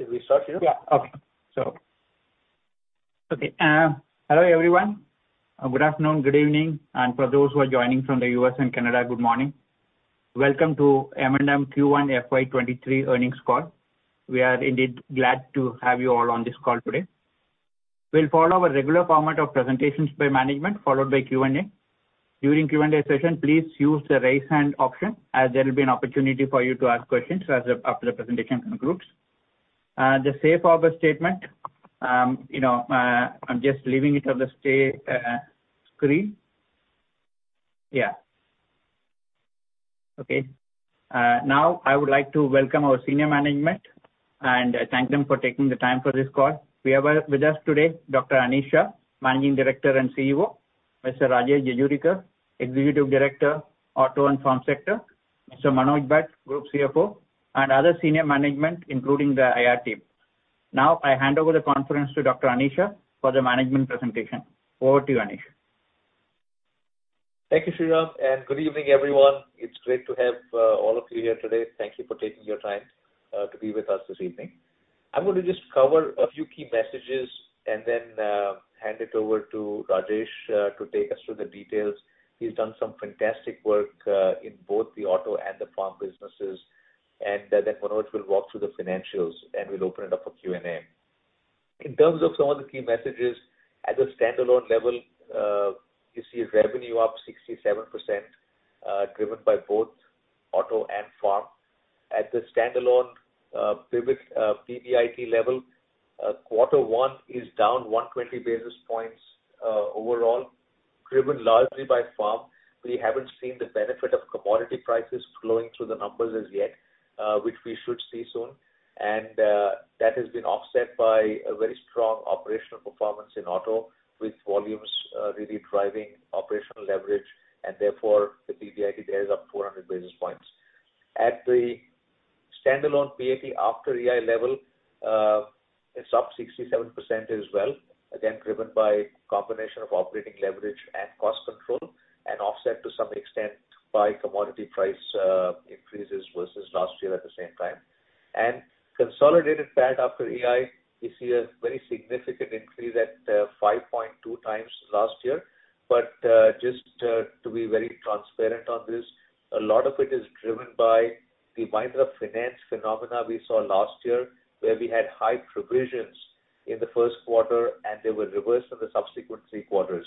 Should we start here? Hello everyone. Good afternoon, good evening. For those who are joining from the U.S. and Canada, good morning. Welcome to M&M Q1 FY 2023 earnings call. We are indeed glad to have you all on this call today. We'll follow our regular format of presentations by management, followed by Q&A. During Q&A session, please use the Raise Hand option, as there will be an opportunity for you to ask questions after the presentation concludes. The safe harbor statement, you know, I'm just leaving it on the screen. Now I would like to welcome our senior management and thank them for taking the time for this call. We have with us today, Dr. Anish Shah, Managing Director and CEO. Mr. Rajesh Jejurikar, Executive Director, Auto & Farm Sector. Mr. Manoj Bhat, Group CFO and other senior management, including the IR team. Now, I hand over the conference to Dr. Anish for the management presentation. Over to you, Anish. Thank you, Sriram. Good evening, everyone. It's great to have all of you here today. Thank you for taking your time to be with us this evening. I'm gonna just cover a few key messages and then hand it over to Rajesh to take us through the details. He's done some fantastic work in both the auto and the farm businesses. Then, Manoj will walk through the financials, and we'll open it up for Q&A. In terms of some of the key messages, at a standalone level, you see a revenue up 67%, driven by both auto and farm. At the standalone, PBIT level, Q1 is down 120 basis points, overall, driven largely by farm. We haven't seen the benefit of commodity prices flowing through the numbers as yet, which we should see soon. That has been offset by a very strong operational performance in auto, with volumes really driving operational leverage and therefore the PBIT there is up 400 basis points. At the standalone PAT after EI level, it's up 67% as well. Again, driven by combination of operating leverage and cost control, and offset to some extent by commodity price increases versus last year at the same time. Consolidated PAT after EI, you see a very significant increase at 5.2 times last year. Just to be very transparent on this, a lot of it is driven by the Mahindra Finance phenomenon we saw last year, where we had high provisions in the Q1, and they were reversed in the subsequent three quarters.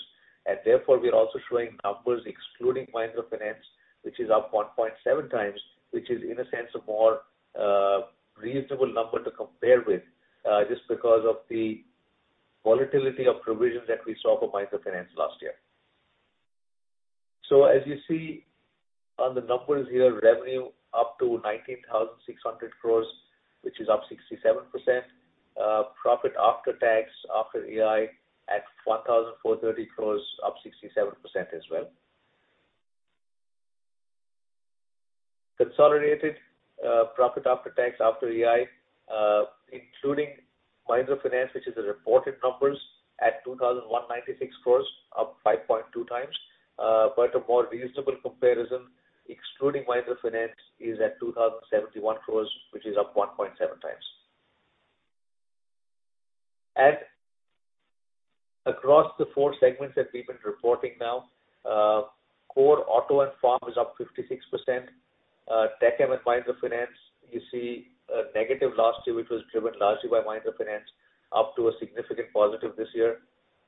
Therefore, we are also showing numbers excluding Mahindra Finance, which is up 1.7 times, which is in a sense a more reasonable number to compare with, just because of the volatility of provisions that we saw for Mahindra Finance last year. As you see on the numbers here, revenue up to 19,600 crores, which is up 67%. Profit after tax, after EI, at 1,430 crores, up 67% as well. Consolidated profit after tax, after EI, including Mahindra Finance, which is the reported numbers, at 2,196 crore, up 5.2x. But a more reasonable comparison, excluding Mahindra Finance, is at 2,071 crore, which is up 1.7x. Across the four segments that we've been reporting now, core auto and farm is up 56%. Tech M and Mahindra Finance, you see a negative last year, which was driven largely by Mahindra Finance, up to a significant positive this year.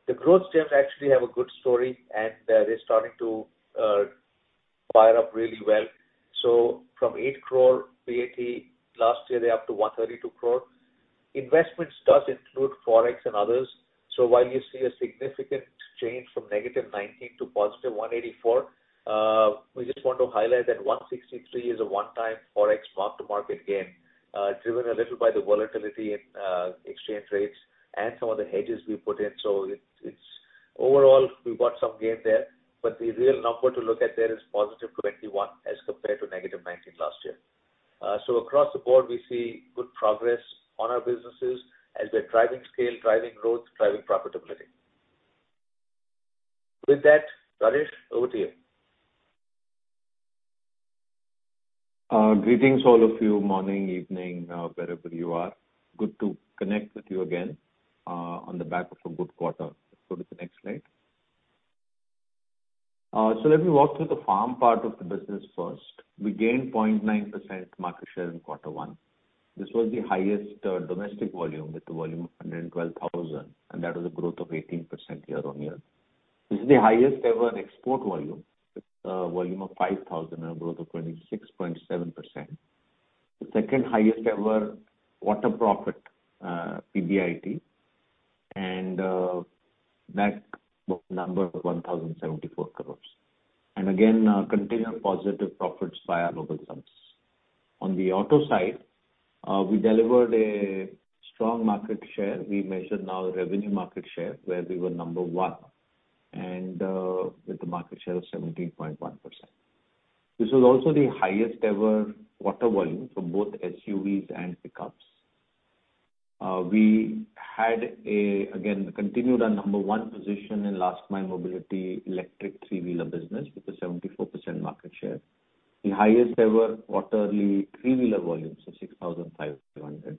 The growth streams actually have a good story, and they're starting to fire up really well. From 8 crore PAT last year, they're up to 132 crore. Investments does include Forex and others. While you see a significant change from -19 crore to +184 crore, we just want to highlight that 163 crore is a one-time Forex mark-to-market gain, driven a little by the volatility in exchange rates and some of the hedges we put in. It's overall, we got some gain there, but the real number to look at there is +21 crore as compared to -19 crore last year. Across the board, we see good progress on our businesses as we're driving scale, driving growth, driving profitability. With that, Rajesh over to you. Greetings all of you. Morning, evening, wherever you are. Good to connect with you again, on the back of a good quarter. Let's go to the next slide. So let me walk through the farm part of the business first. We gained 0.9% market share in Q1. This was the highest domestic volume with a volume of 112,000, and that was a growth of 18% year-on-year. This is the highest ever export volume, with a volume of 5,000 and a growth of 26.7%. The second highest ever quarter profit, PBIT, and that number 1,074 crore. Again, continued positive profits by our local subs. On the auto side, we delivered a strong market share. We measured our revenue market share, where we were number one with a market share of 17.1%. This was also the highest ever quarterly volume for both SUVs and pickups. We again continued our number one position in last mile mobility electric three-wheeler business with a 74% market share. The highest ever quarterly three-wheeler volumes of 6,500.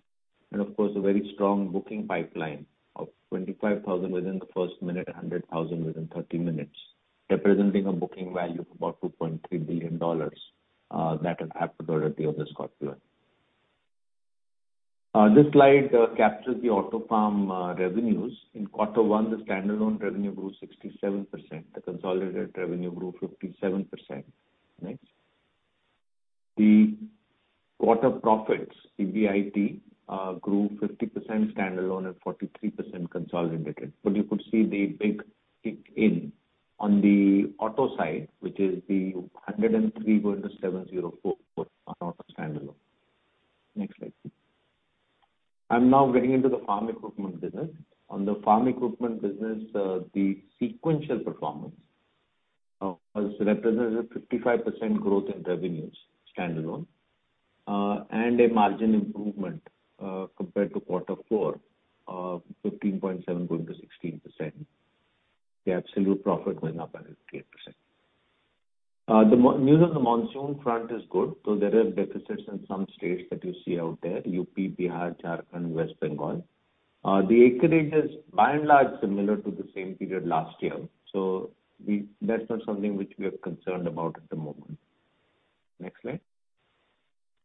Of course, a very strong booking pipeline of 25,000 within the first minute, 100,000 within 30 minutes, representing a booking value of about $2.3 billion that is attributable to the Scorpio N. This slide captures the auto and farm revenues. In Q1, the standalone revenue grew 67%. The consolidated revenue grew 57%. Next. The quarter profits, PBIT, grew 50% standalone and 43% consolidated. You could see the big kick in on the auto side, which is the 103 crore going to 704 crore for our auto standalone. Next slide. I'm now getting into the farm equipment business. On the farm equipment business, the sequential performance has represented a 55% growth in revenues standalone. And a margin improvement compared to Q4 of 15.7% going to 16%. The absolute profit went up by 58%. The news on the monsoon front is good, though there are deficits in some states that you see out there, UP, Bihar, Jharkhand, West Bengal. The acreage is by and large similar to the same period last year, so that's not something which we are concerned about at the moment. Next slide.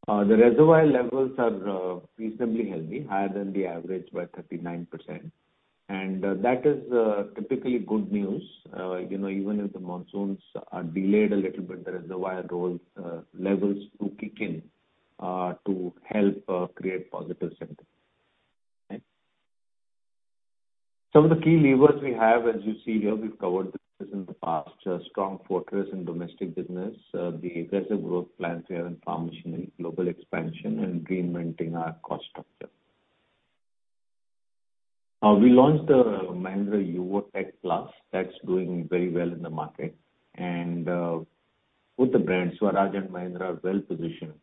The reservoir levels are reasonably healthy, higher than the average by 39%. That is typically good news. You know, even if the monsoons are delayed a little bit, the reservoir levels do kick in to help create positive sentiment. Some of the key levers we have, as you see here, we've covered this in the past. Strong fortress in domestic business, the aggressive growth plans we have in farm machinery, global expansion and greenmenting our cost structure. We launched the Mahindra Yuvo Tech+. That's doing very well in the market. With the brands Swaraj and Mahindra are well positioned,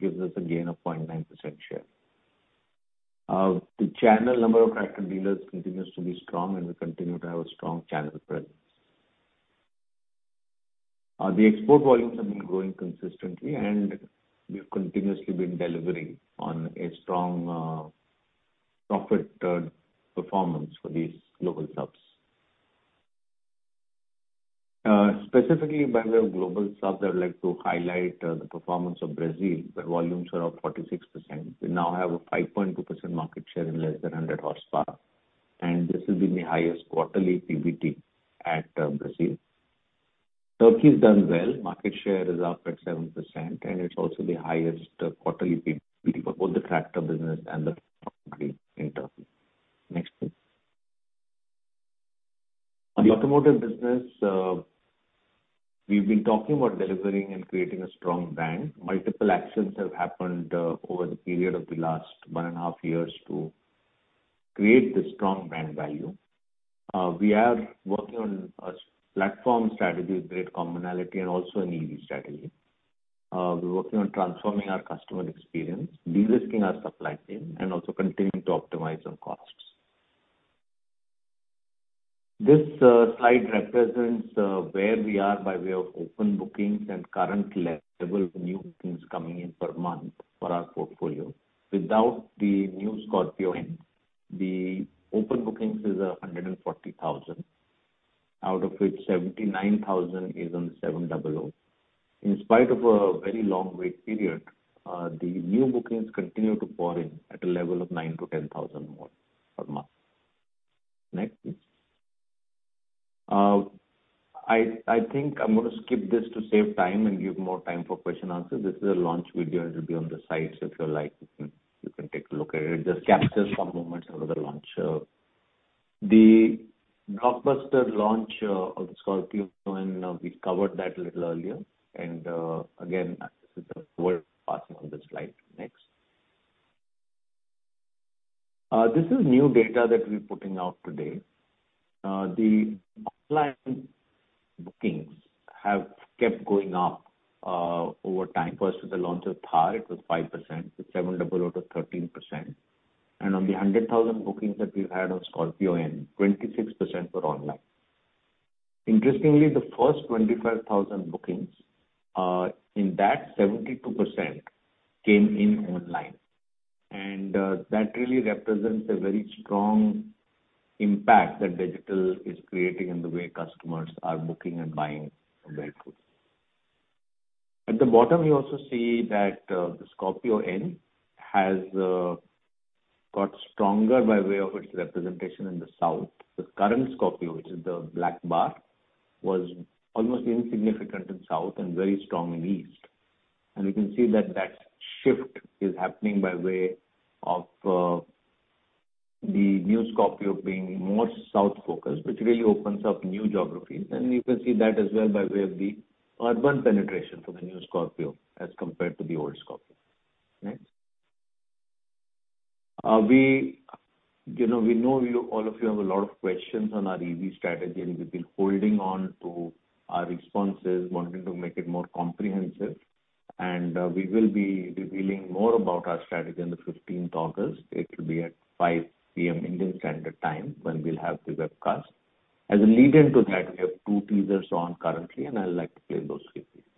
gives us a gain of 0.9% share. The channel number of tractor dealers continues to be strong, and we continue to have a strong channel presence. The export volumes have been growing consistently, and we've continuously been delivering on a strong profit performance for these global hubs. Specifically by way of global hubs, I'd like to highlight the performance of Brazil, where volumes are up 46%. We now have a 5.2% market share in less than 100 hp, and this has been the highest quarterly PBT at Brazil. Turkey's done well. Market share is up at 7%, and it's also the highest quarterly PBT for both the tractor business and the in Turkey. Next, please. On the automotive business, we've been talking about delivering and creating a strong brand. Multiple actions have happened over the period of the last 1.5 years to create the strong brand value. We are working on a platform strategy with great commonality and also an EV strategy. We're working on transforming our customer experience, de-risking our supply chain, and also continuing to optimize on costs. This slide represents where we are by way of open bookings and current level of new bookings coming in per month for our portfolio. Without the new Scorpio N, the open bookings is 140,000, out of which 79,000 is on the XUV700. In spite of a very long wait period, the new bookings continue to pour in at a level of 9,000 to 10,000 more per month. Next, please. I think I'm gonna skip this to save time and give more time for question answer. This is a launch video. It'll be on the site, so if you like, you can take a look at it. It just captures some moments around the launch. The blockbuster launch of the Scorpio N, we've covered that a little earlier. Again, this is a forward passing on the slide. Next. This is new data that we're putting out today. The online bookings have kept going up over time. Versus the launch of Thar, it was 5%. With XUV700, it was 13%. On the 100,000 bookings that we've had on Scorpio N, 26% were online. Interestingly, the first 25,000 bookings, in that 72% came in online. That really represents a very strong impact that digital is creating in the way customers are booking and buying a vehicle. At the bottom, you also see that the Scorpio N has got stronger by way of its representation in the South. The current Scorpio, which is the black bar, was almost insignificant in South and very strong in East. We can see that shift is happening by way of the new Scorpio being more South focused, which really opens up new geographies. You can see that as well by way of the urban penetration for the new Scorpio as compared to the old Scorpio. Next. You know, we know you, all of you have a lot of questions on our EV strategy, and we've been holding on to our responses, wanting to make it more comprehensive. We will be revealing more about our strategy on the 15th August. It will be at 5:00 P.M. Indian Standard Time when we'll have the webcast. As a lead-in to that, we have two teasers on currently, and I would like to play those for you. With that, I'd like to hand over to Manoj to walk us through the presentation. Thank you.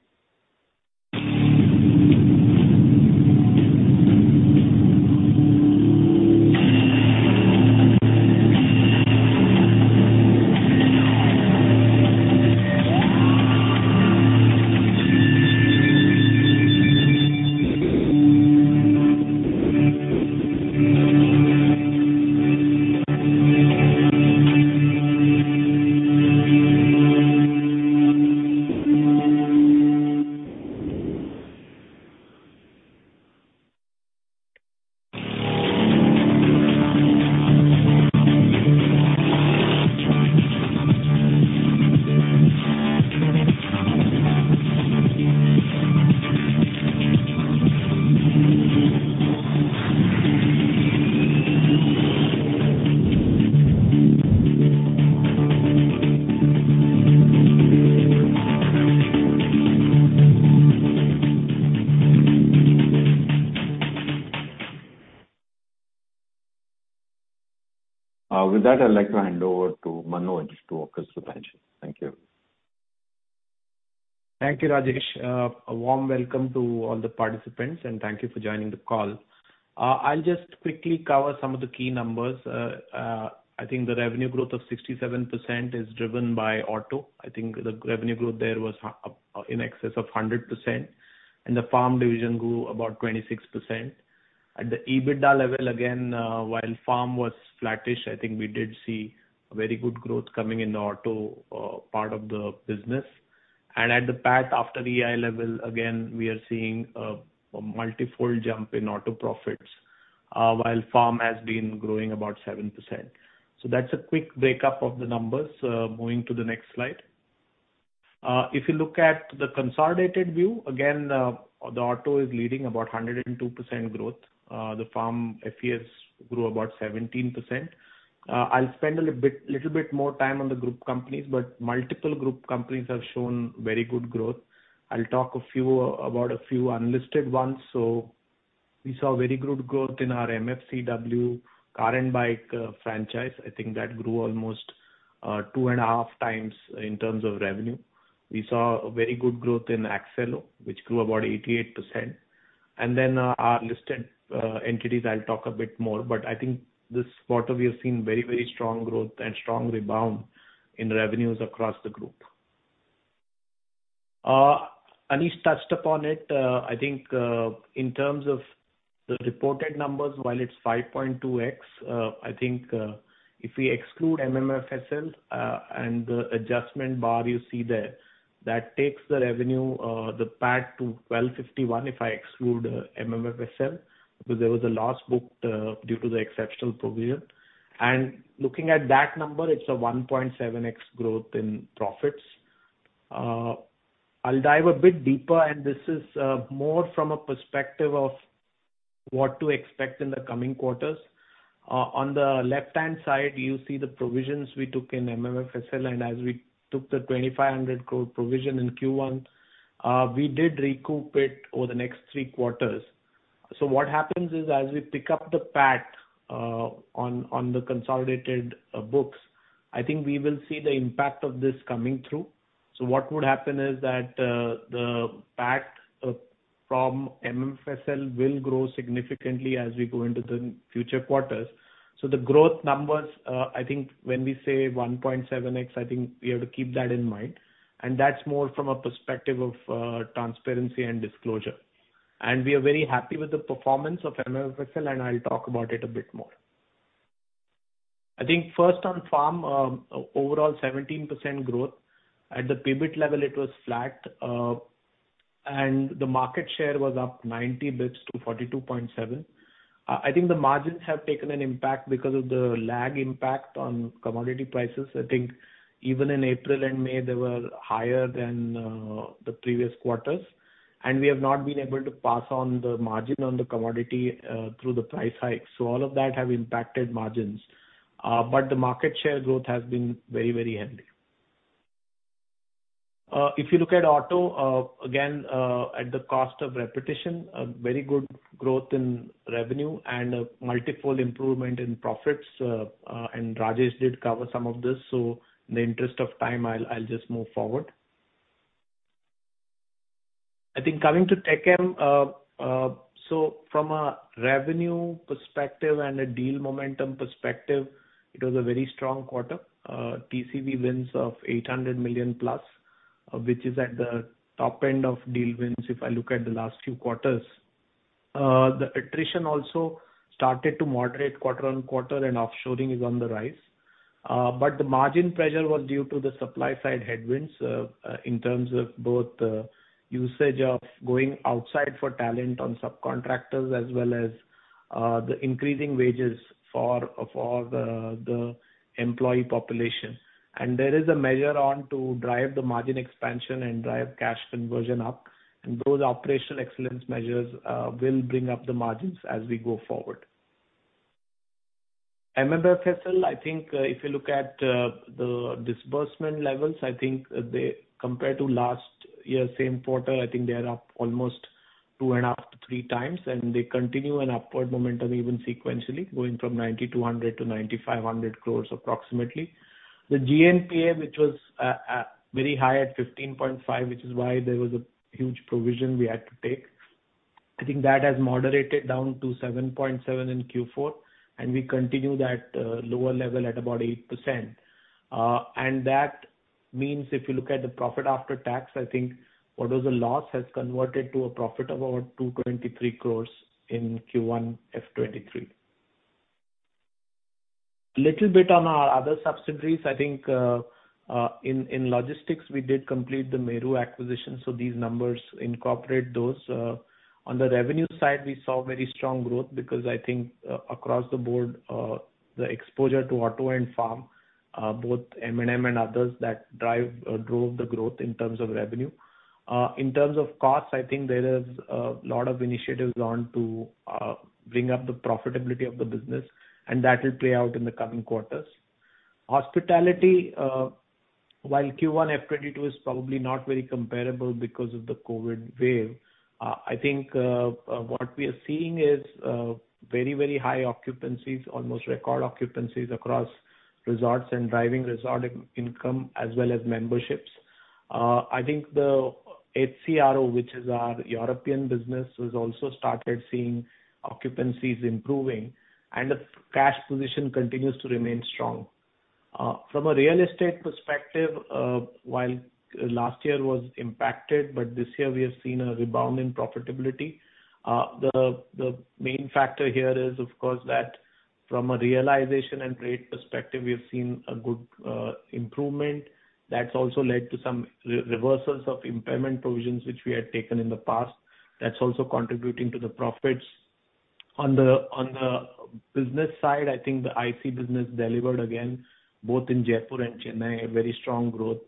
Thank you, Rajesh. A warm welcome to all the participants, and thank you for joining the call. I'll just quickly cover some of the key numbers. I think the revenue growth of 67% is driven by auto. I think the revenue growth there was in excess of 100%, and the farm division grew about 26%. At the EBITDA level, again, while farm was flattish, I think we did see very good growth coming in the auto part of the business. At the PAT after the EI level, again, we are seeing a multi-fold jump in auto profits, while farm has been growing about 7%. That's a quick breakdown of the numbers. Moving to the next slide. If you look at the consolidated view, again, the auto is leading about 102% growth. The farm FES grew about 17%. I'll spend a little bit more time on the group companies, but multiple group companies have shown very good growth. I'll talk about a few unlisted ones. We saw very good growth in our MFCW CarAndBike franchise. I think that grew almost 2.5 times in terms of revenue. We saw very good growth in Accelo, which grew about 88%. Our listed entities, I'll talk a bit more, but I think this quarter we have seen very, very strong growth and strong rebound in revenues across the group. Anish touched upon it. I think in terms of the reported numbers, while it's 5.2x, I think if we exclude MMFSL and the adjustment bar you see there, that takes the revenue, the PAT to 1,251 crore if I exclude MMFSL, because there was a loss booked due to the exceptional provision. Looking at that number, it's a 1.7x growth in profits. I'll dive a bit deeper, and this is more from a perspective of what to expect in the coming quarters. On the left-hand side, you see the provisions we took in MMFSL, and as we took the 2,500 crore provision in Q1, we did recoup it over the next three quarters. What happens is, as we pick up the PAT on the consolidated books, I think we will see the impact of this coming through. What would happen is that the PAT from MMFSL will grow significantly as we go into the future quarters. The growth numbers, I think when we say 1.7x, I think we have to keep that in mind. That's more from a perspective of transparency and disclosure. We are very happy with the performance of MMFSL, and I'll talk about it a bit more. I think first on farm overall 17% growth. At the EBIT level it was flat, and the market share was up 90 basis points to 42.7. I think the margins have taken an impact because of the lag impact on commodity prices. I think even in April and May, they were higher than the previous quarters, and we have not been able to pass on the margin on the commodity through the price hike. All of that have impacted margins. The market share growth has been very, very healthy. If you look at auto, again, at the cost of repetition, a very good growth in revenue and a multiple improvement in profits. Rajesh did cover some of this, so in the interest of time, I'll just move forward. I think coming to Tech M, from a revenue perspective and a deal momentum perspective, it was a very strong quarter. TCV wins of $800 million-plus, which is at the top end of deal wins if I look at the last few quarters. The attrition also started to moderate quarter-on-quarter, and off-shoring is on the rise. But the margin pressure was due to the supply-side headwinds, in terms of both usage of going outside for talent on subcontractors as well as the increasing wages for the employee population. There is a measure on to drive the margin expansion and drive cash conversion up, and those operational excellence measures will bring up the margins as we go forward. MMFSL, I think, if you look at the disbursement levels, I think they compared to last year's same quarter, I think they are up almost 2.5 to 3 times, and they continue an upward momentum even sequentially, going from 90 crore to 100 crore to 9,500 crore approximately. The GNPA, which was very high at 15.5, which is why there was a huge provision we had to take. I think that has moderated down to 7.7 in Q4, and we continue that lower level at about 8%. That means if you look at the profit after tax, I think what was a loss has converted to a profit of about 223 crore in Q1 FY 2023. A little bit on our other subsidiaries. I think in logistics, we did complete the Meru acquisition, so these numbers incorporate those. On the revenue side, we saw very strong growth because I think across the board, the exposure to auto and farm, both M&M and others that drove the growth in terms of revenue. In terms of costs, I think there is a lot of initiatives on to bring up the profitability of the business, and that will play out in the coming quarters. Hospitality, while Q1 FY 2022 is probably not very comparable because of the COVID wave, I think what we are seeing is very, very high occupancies, almost record occupancies across resorts and driving resort income as well as memberships. I think the HCRO, which is our European business, has also started seeing occupancies improving, and the cash position continues to remain strong. From a real estate perspective, while last year was impacted, but this year we have seen a rebound in profitability. The main factor here is, of course, that from a realization and rate perspective, we have seen a good improvement. That's also led to some reversals of impairment provisions which we had taken in the past. That's also contributing to the profits. On the business side, I think the IT business delivered again, both in Jaipur and Chennai, a very strong growth.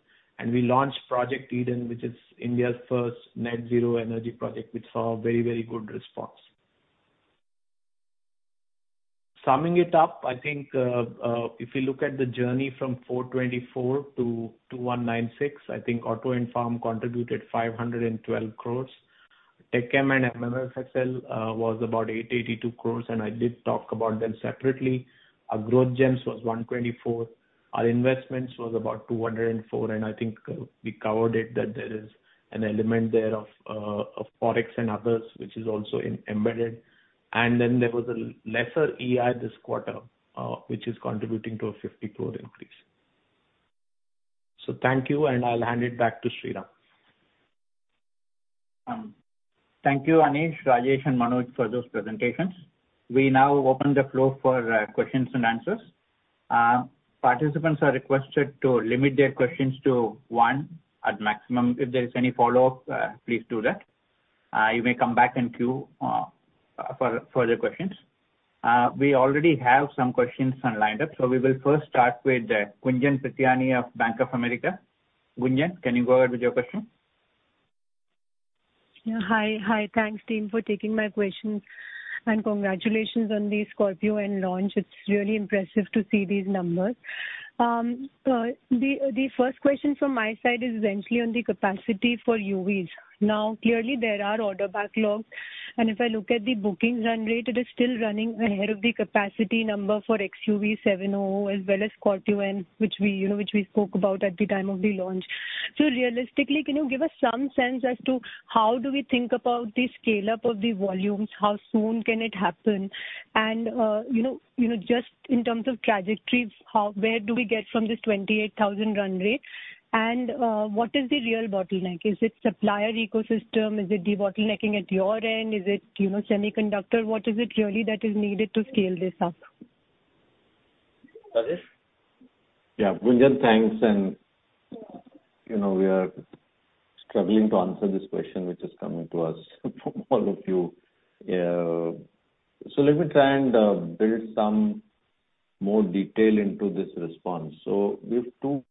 We launched Mahindra Eden, which is India's first net-zero-energy residential project, which saw a very, very good response. Summing it up, I think, if you look at the journey from 424 crore to 2,196 crore, I think auto and farm contributed 512 crore. Tech M and MMFSL was about 882 crore, and I did talk about them separately. Our growth gems was 124 crore. Our investments was about 204 crore, and I think we covered it that there is an element there of Forex and others, which is also embedded. There was a lesser EI this quarter, which is contributing to an 50 crore increase. Thank you, and I'll hand it back to Sriram. Thank you, Anish, Rajesh, and Manoj for those presentations. We now open the floor for questions and answers. Participants are requested to limit their questions to one at maximum. If there is any follow-up, please do that. You may come back in queue for the questions. We already have some questions lined up. We will first start with Gunjan Prithyani of Bank of America. Gunjan, can you go ahead with your question? Yeah. Hi. Hi. Thanks, team, for taking my questions. Congratulations on the Scorpio N launch. It's really impressive to see these numbers. The first question from my side is essentially on the capacity for UVs. Now, clearly, there are order backlogs, and if I look at the bookings run rate, it is still running ahead of the capacity number for XUV700 as well as Scorpio N, which we, you know, spoke about at the time of the launch. Realistically, can you give us some sense as to how do we think about the scale-up of the volumes? How soon can it happen? You know, just in terms of trajectory, how, where do we get from this 28,000 run rate? What is the real bottleneck? Is it supplier ecosystem? Is it the bottlenecking at your end? Is it, you know, semiconductor? What is it really that is needed to scale this up? Rajesh? Yeah. Gunjan, thanks. You know, we are struggling to answer this question which is coming to us from all of you. Let me try and build some more detail into this response. We have two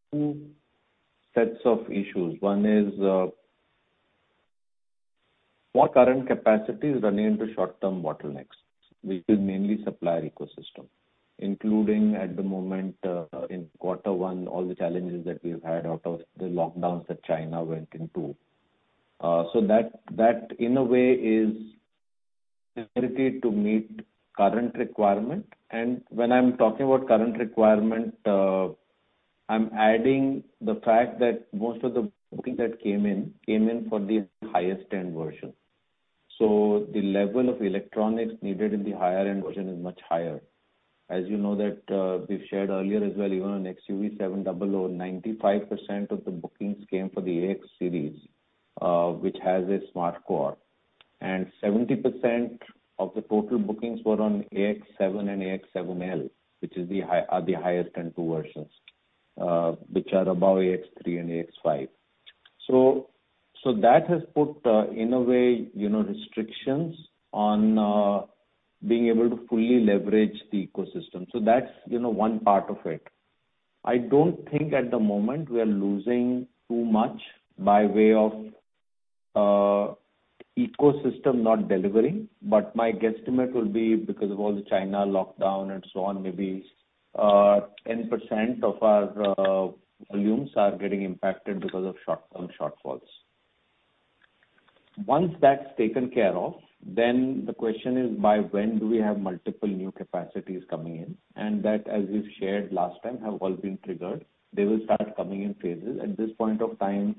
sets of issues. One is, what current capacity is running into short-term bottlenecks, which is mainly supplier ecosystem, including at the moment, in Q1, all the challenges that we've had out of the lockdowns that China went into. That in a way is ability to meet current requirement. When I'm talking about current requirement, I'm adding the fact that most of the booking that came in for the highest end version. The level of electronics needed in the higher end version is much higher. As you know that, we've shared earlier as well, even on XUV700, 95% of the bookings came for the AX series, which has a SmartCore. Seventy percent of the total bookings were on AX7 and AX7L, which are the highest end two versions, which are above AX3 and AX5. So that has put, in a way, you know, restrictions on being able to fully leverage the ecosystem. So that's, you know, one part of it. I don't think at the moment we are losing too much by way of. Ecosystem not delivering, but my guesstimate will be because of all the China lockdown and so on, maybe 10% of our volumes are getting impacted because of short-term shortfalls. Once that's taken care of, then the question is by when do we have multiple new capacities coming in? That, as we've shared last time, have all been triggered. They will start coming in phases. At this point of time,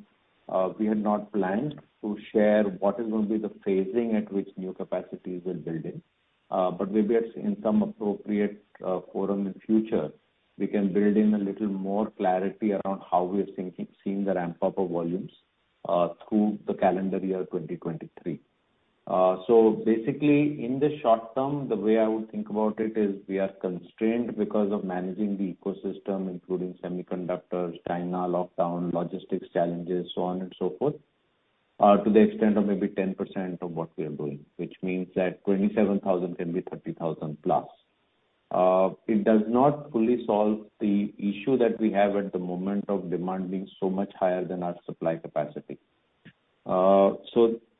we had not planned to share what is going to be the phasing at which new capacities are building. But maybe in some appropriate forum in future, we can build in a little more clarity around how we are seeing the ramp-up of volumes through the calendar year 2023. Basically in the short term, the way I would think about it is we are constrained because of managing the ecosystem, including semiconductors, China lockdown, logistics challenges, so on and so forth, to the extent of maybe 10% of what we are doing, which means that 27,000 can be 30,000 plus. It does not fully solve the issue that we have at the moment of demand being so much higher than our supply capacity.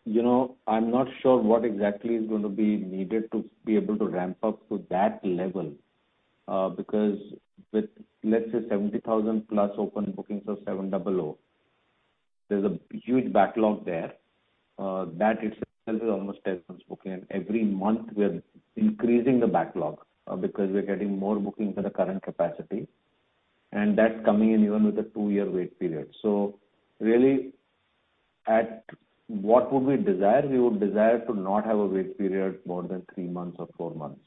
You know, I'm not sure what exactly is gonna be needed to be able to ramp up to that level, because with, let's say 70,000 plus open bookings of XUV700, there's a huge backlog there. That itself is almost 10 months booking. Every month we are increasing the backlog, because we're getting more bookings for the current capacity, and that's coming in even with a two-year wait period. Really, what would we desire? We would desire to not have a wait period more than three months or four months.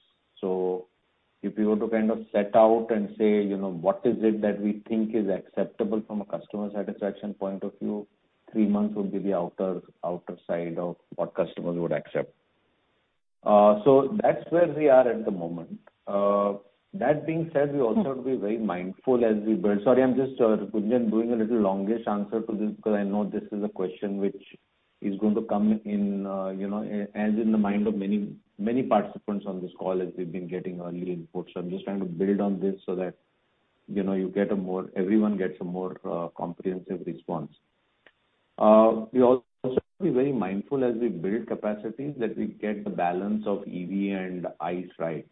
If you were to kind of set out and say, you know, what is it that we think is acceptable from a customer satisfaction point of view, three months would be the outer side of what customers would accept. That's where we are at the moment. That being said, we also have to be very mindful as we build... Sorry, I'm just Gunjan, doing a little longish answer to this because I know this is a question which is going to come in, you know, as in the mind of many, many participants on this call as we've been getting early inputs. I'm just trying to build on this so that, you know, you get a more, everyone gets a more, comprehensive response. We also have to be very mindful as we build capacity that we get the balance of EV and ICE right.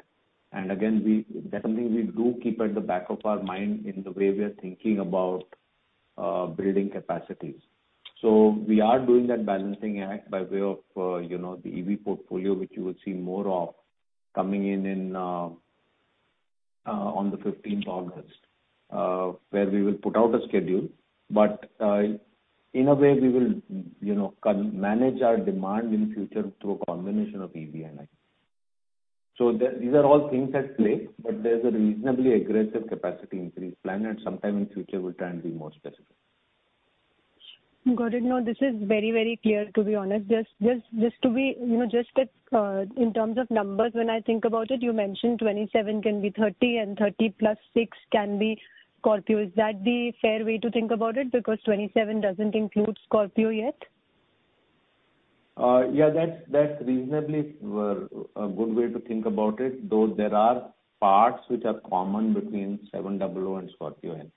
Again, that's something we do keep at the back of our mind in the way we are thinking about building capacity. We are doing that balancing act by way of, you know, the EV portfolio, which you will see more of coming in on the 15th August, where we will put out a schedule. In a way, we will, you know, manage our demand in future through a combination of EV and ICE. These are all things at play, but there's a reasonably aggressive capacity increase plan, and sometime in future we'll try and be more specific. Got it. No, this is very, very clear, to be honest. Just to be, you know, just at, in terms of numbers, when I think about it, you mentioned 27,000 can be 30,000, and 30,000 plus six can be Scorpio. Is that the fair way to think about it? Because 27,000 doesn't include Scorpio yet. Yeah, that's reasonably a good way to think about it, though there are parts which are common between XUV700 and Scorpio N.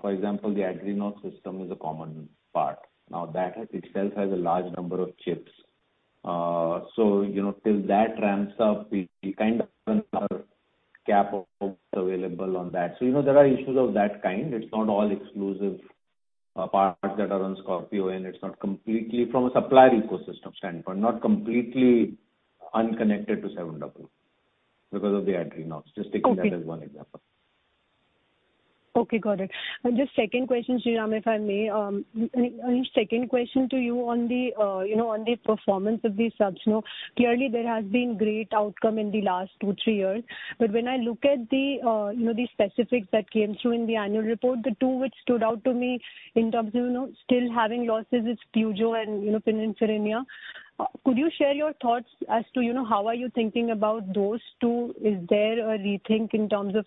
For example, the AdrenoX system is a common part. Now, that has itself a large number of chips. You know, till that ramps up, we kind of burn our CapEx available on that. You know, there are issues of that kind. It's not all exclusive parts that are on Scorpio N, and it's not completely from a supplier ecosystem standpoint, not completely unconnected to XUV700 because of the AdrenoX. Just taking that as one example. Okay. Okay, got it. Just second question, Sriram, if I may. Second question to you on the performance of these subs. You know, clearly there has been great outcome in the last two, three years. When I look at the specifics that came through in the annual report, the two which stood out to me in terms of still having losses, it's Peugeot and Pininfarina. Could you share your thoughts as to how are you thinking about those two? Is there a rethink in terms of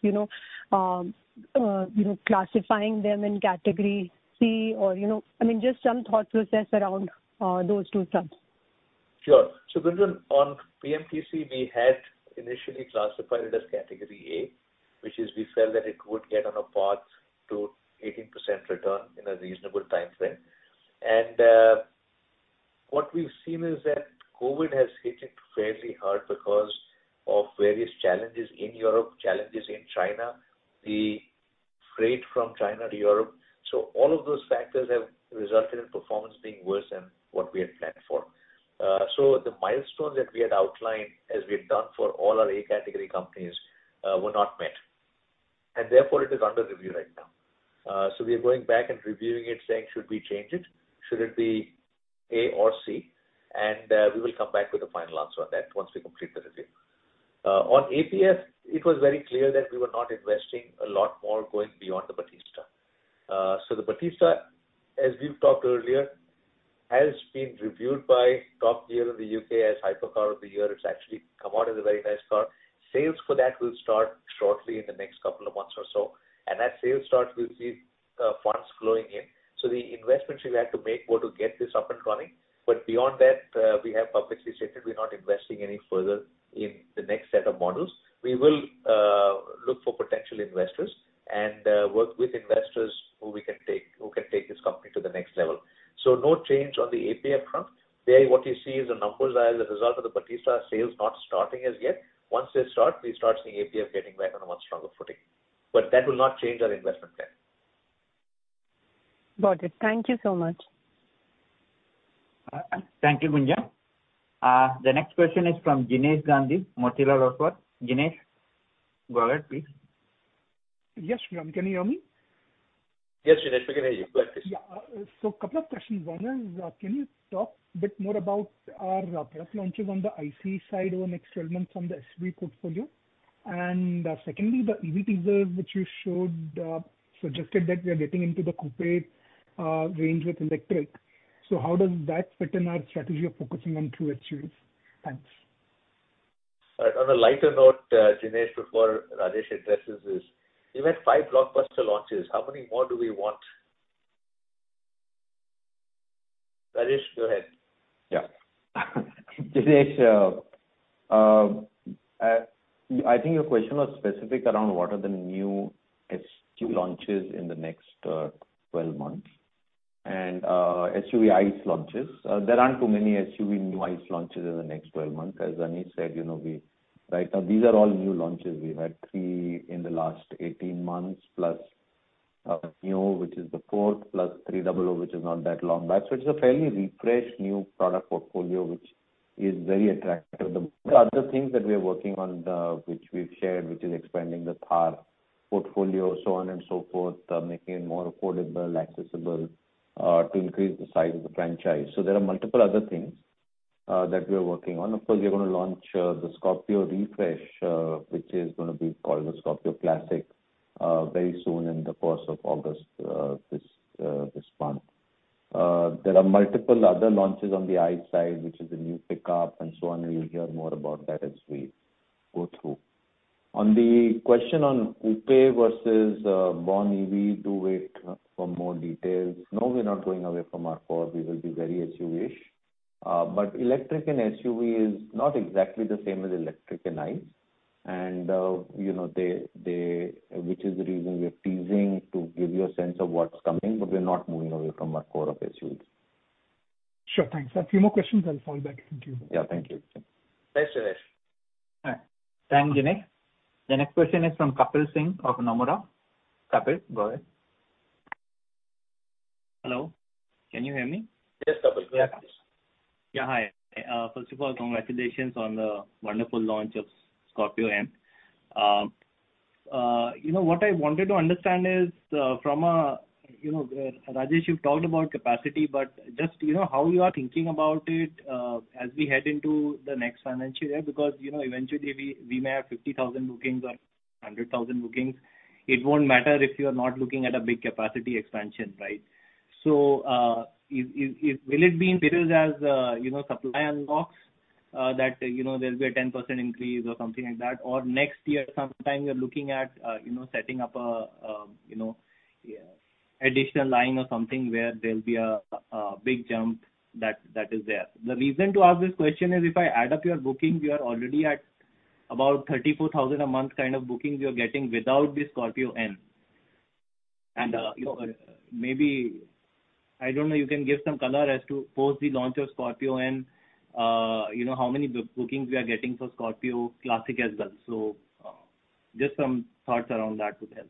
classifying them in category C or, you know, I mean, just some thought process around those two subs. Sure. Gunjan, on PMTC, we had initially classified it as category A, which is we felt that it would get on a path to 18% return in a reasonable timeframe. What we've seen is that COVID has hit it fairly hard because of various challenges in Europe, challenges in China, the freight from China to Europe. All of those factors have resulted in performance being worse than what we had planned for. The milestone that we had outlined as we had done for all our A category companies were not met, and therefore it is under review right now. We are going back and reviewing it, saying, "Should we change it? Should it be A or C?" We will come back with a final answer on that once we complete the review. On APF, it was very clear that we were not investing a lot more going beyond the Battista. The Battista, as we've talked earlier, has been reviewed by Top Gear of the U.K. as Hypercar of the Year. It's actually come out as a very nice car. Sales for that will start shortly in the next couple of months or so. As sales start, we'll see, funds flowing in. The investments we've had to make were to get this up and running, but beyond that, we have publicly stated we're not investing any further in the next set of models. We will, Look for potential investors and work with investors who can take this company to the next level. No change on the APM front. What you see is the numbers are as a result of the Battista sales not starting as yet. Once they start, we start seeing APM getting back on a much stronger footing. That will not change our investment plan. Got it. Thank you so much. Thank you, Gunjan. The next question is from Jinesh Gandhi, Motilal Oswal. Jinesh, go ahead, please. Yes, Sriram, can you hear me? Yes, Jinesh, we can hear you. Go ahead, please. Yeah. So a couple of questions. One is, can you talk a bit more about our product launches on the ICE side over the next 12 months from the SV portfolio? And, secondly, the EV teaser which you showed, suggested that we are getting into the coupe range with electric. How does that fit in our strategy of focusing on true SUVs? Thanks. On a lighter note, Jinesh, before Rajesh addresses this, we've had five blockbuster launches. How many more do we want? Rajesh, go ahead. Yeah. Jinesh, I think your question was specific around what are the new SUV launches in the next 12 months and SUV ICE launches. There aren't too many SUV new ICE launches in the next 12 months. As Anish said, you know, right now these are all new launches. We've had three in the last 18 months, plus you know, which is the fourth, plus XUV300, which is not that long back. It's a fairly refreshed new product portfolio, which is very attractive. The other things that we are working on, which we've shared, which is expanding the Thar portfolio, so on and so forth, making it more affordable, accessible, to increase the size of the franchise. There are multiple other things that we are working on. Of course, we are gonna launch the Scorpio refresh, which is gonna be called the Scorpio Classic, very soon in the course of August, this month. There are multiple other launches on the ICE side, which is a new pickup and so on, and you'll hear more about that as we go through. On the question on coupe versus born EV, do wait for more details. No, we're not going away from our core. We will be very SUV-ish. But electric and SUV is not exactly the same as electric and ICE. You know, which is the reason we are teasing to give you a sense of what's coming, but we're not moving away from our core of SUVs. Sure, thanks. I have a few more questions. I'll hand it back to you. Yeah, thank you. Thanks, Jinesh. All right. Thank you, Jinesh. The next question is from Kapil Singh of Nomura. Kapil, go ahead. Hello, can you hear me? Yes, Kapil. Go ahead, please. Yeah, hi. First of all, congratulations on the wonderful launch of Scorpio N. You know, what I wanted to understand is, from a, you know, Rajesh, you've talked about capacity, but just, you know, how you are thinking about it, as we head into the next financial year. Because, you know, eventually we may have 50,000 bookings or 100,000 bookings. It won't matter if you're not looking at a big capacity expansion, right? Will it be in periods as, you know, supply unlocks, that, you know, there'll be a 10% increase or something like that? Or next year sometime you're looking at, you know, setting up a, you know, additional line or something where there'll be a big jump that is there. The reason to ask this question is if I add up your bookings, you are already at about 34,000 a month kind of bookings you're getting without the Scorpio N. You know, maybe, I don't know, you can give some color as to post the launch of Scorpio N, you know, how many bookings we are getting for Scorpio Classic as well. Just some thoughts around that would help.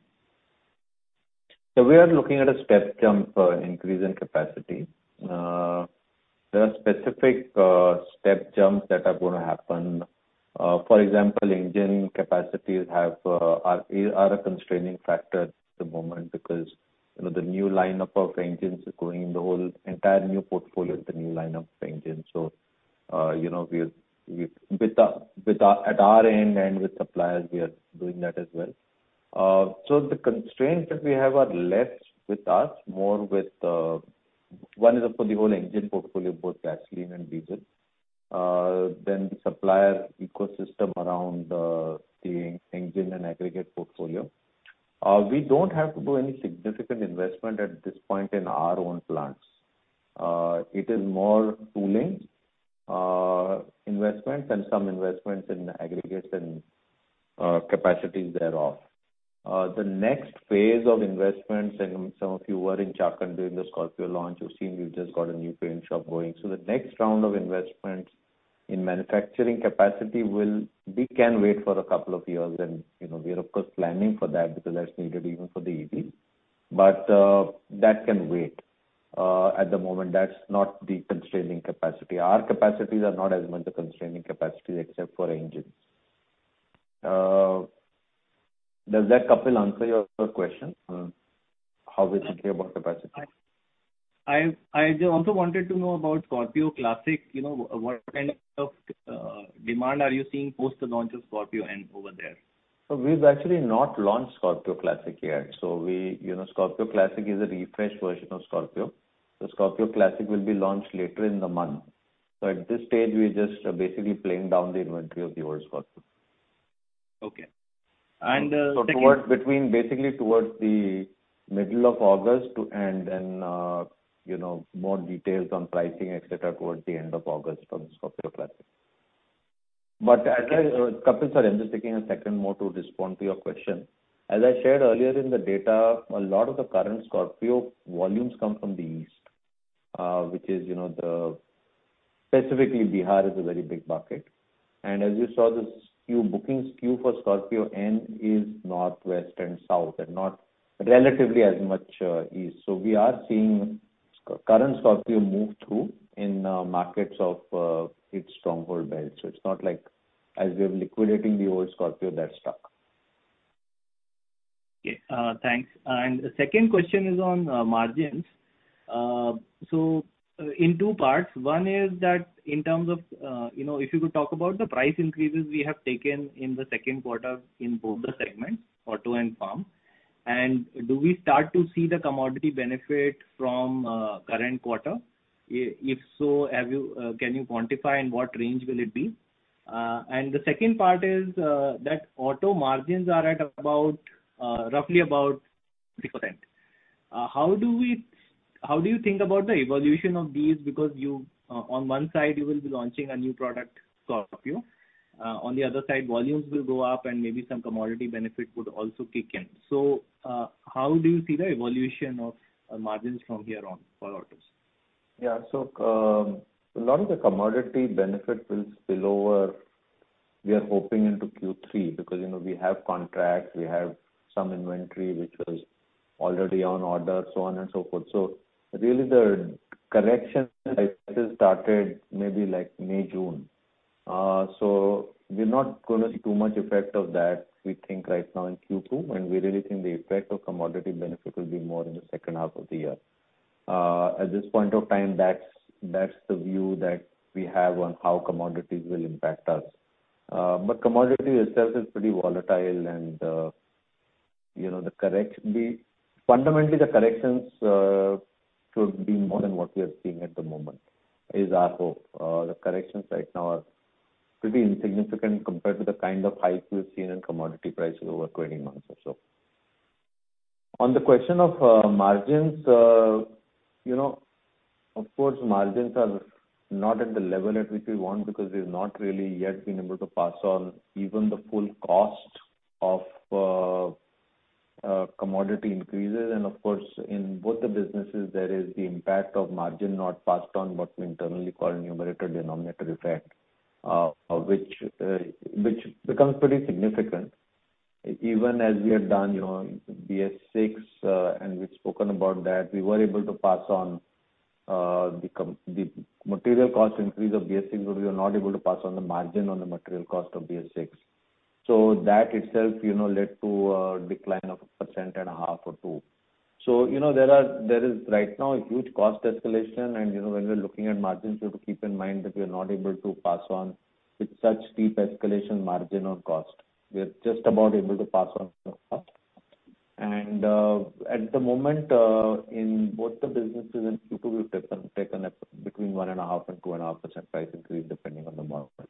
We are looking at a step jump increase in capacity. There are specific step jumps that are gonna happen. For example, engine capacities are a constraining factor at the moment because, you know, the new lineup of engines is going in the whole entire new portfolio with the new lineup of engines. At our end and with suppliers, we are doing that as well. The constraints that we have are less with us, more with one is, of course, the whole engine portfolio, both gasoline and diesel. Then the supplier ecosystem around the engine and aggregate portfolio. We don't have to do any significant investment at this point in our own plants. It is more tooling, investments and some investments in aggregates and capacities thereof. The next phase of investments, and some of you were in Chakan during the Scorpio launch, you've seen we've just got a new paint shop going. The next round of investments in manufacturing capacity. We can wait for a couple of years and, you know, we are of course planning for that because that's needed even for the EV. That can wait. At the moment, that's not the constraining capacity. Our capacities are not as much a constraining capacity except for engines. Does that, Kapil, answer your question on how we are thinking about capacity? I also wanted to know about Scorpio Classic. You know, what kind of demand are you seeing post the launch of Scorpio N over there? We've actually not launched Scorpio Classic yet. We, you know, Scorpio Classic is a refreshed version of Scorpio. The Scorpio Classic will be launched later in the month. At this stage, we're just basically playing down the inventory of the old Scorpio. Okay. Towards the middle of August to end, more details on pricing, et cetera, towards the end of August on the Scorpio Classic. As I, Kapil, sorry, I'm just taking a second more to respond to your question. As I shared earlier in the data, a lot of the current Scorpio volumes come from the east, which is, specifically Bihar is a very big bucket. As you saw the skew, booking skew for Scorpio N is northwest and south, and not relatively as much, east. We are seeing current Scorpio move through in markets of its stronghold base. It's not like as we're liquidating the old Scorpio, they're stuck. Okay. Thanks. The second question is on margins. In two parts. One is that in terms of, you know, if you could talk about the price increases we have taken in the Q2 in both the segments, auto and farm. Do we start to see the commodity benefit from current quarter? If so, have you, can you quantify and what range will it be? The second part is that auto margins are at about, roughly about 6%. How do we, how do you think about the evolution of these? Because you, on one side you will be launching a new product, Scorpio. On the other side, volumes will go up, and maybe some commodity benefit would also kick in. How do you see the evolution of margins from here on for autos? Yeah. A lot of the commodity benefit will spill over, we are hoping into Q3, because, you know, we have contracts, we have some inventory which was already on order, so on and so forth. Really the correction started maybe like May, June. We're not gonna see too much effect of that we think right now in Q2, and we really think the effect of commodity benefit will be more in the H2. At this point of time, that's the view that we have on how commodities will impact us. Commodity itself is pretty volatile and, you know, fundamentally the corrections should be more than what we are seeing at the moment, is our hope. The corrections right now are pretty insignificant compared to the kind of hike we've seen in commodity prices over 20 months or so. On the question of margins, you know, of course margins are not at the level at which we want because we've not really yet been able to pass on even the full cost of commodity increases. Of course, in both the businesses there is the impact of margin not passed on, what we internally call a numerator denominator effect, which becomes pretty significant. Even as we have done, you know, BS VI, and we've spoken about that, we were able to pass on the material cost increase of BS VI, but we were not able to pass on the margin on the material cost of BS VI. That itself, you know, led to a decline of 1.5% or 2%. You know, there is right now a huge cost escalation and, you know, when we're looking at margins, we have to keep in mind that we are not able to pass on with such steep escalation margin on cost. We're just about able to pass on cost. At the moment, in both the businesses in Q2, we've taken up between 1.5% and 2.5% price increase depending on the market.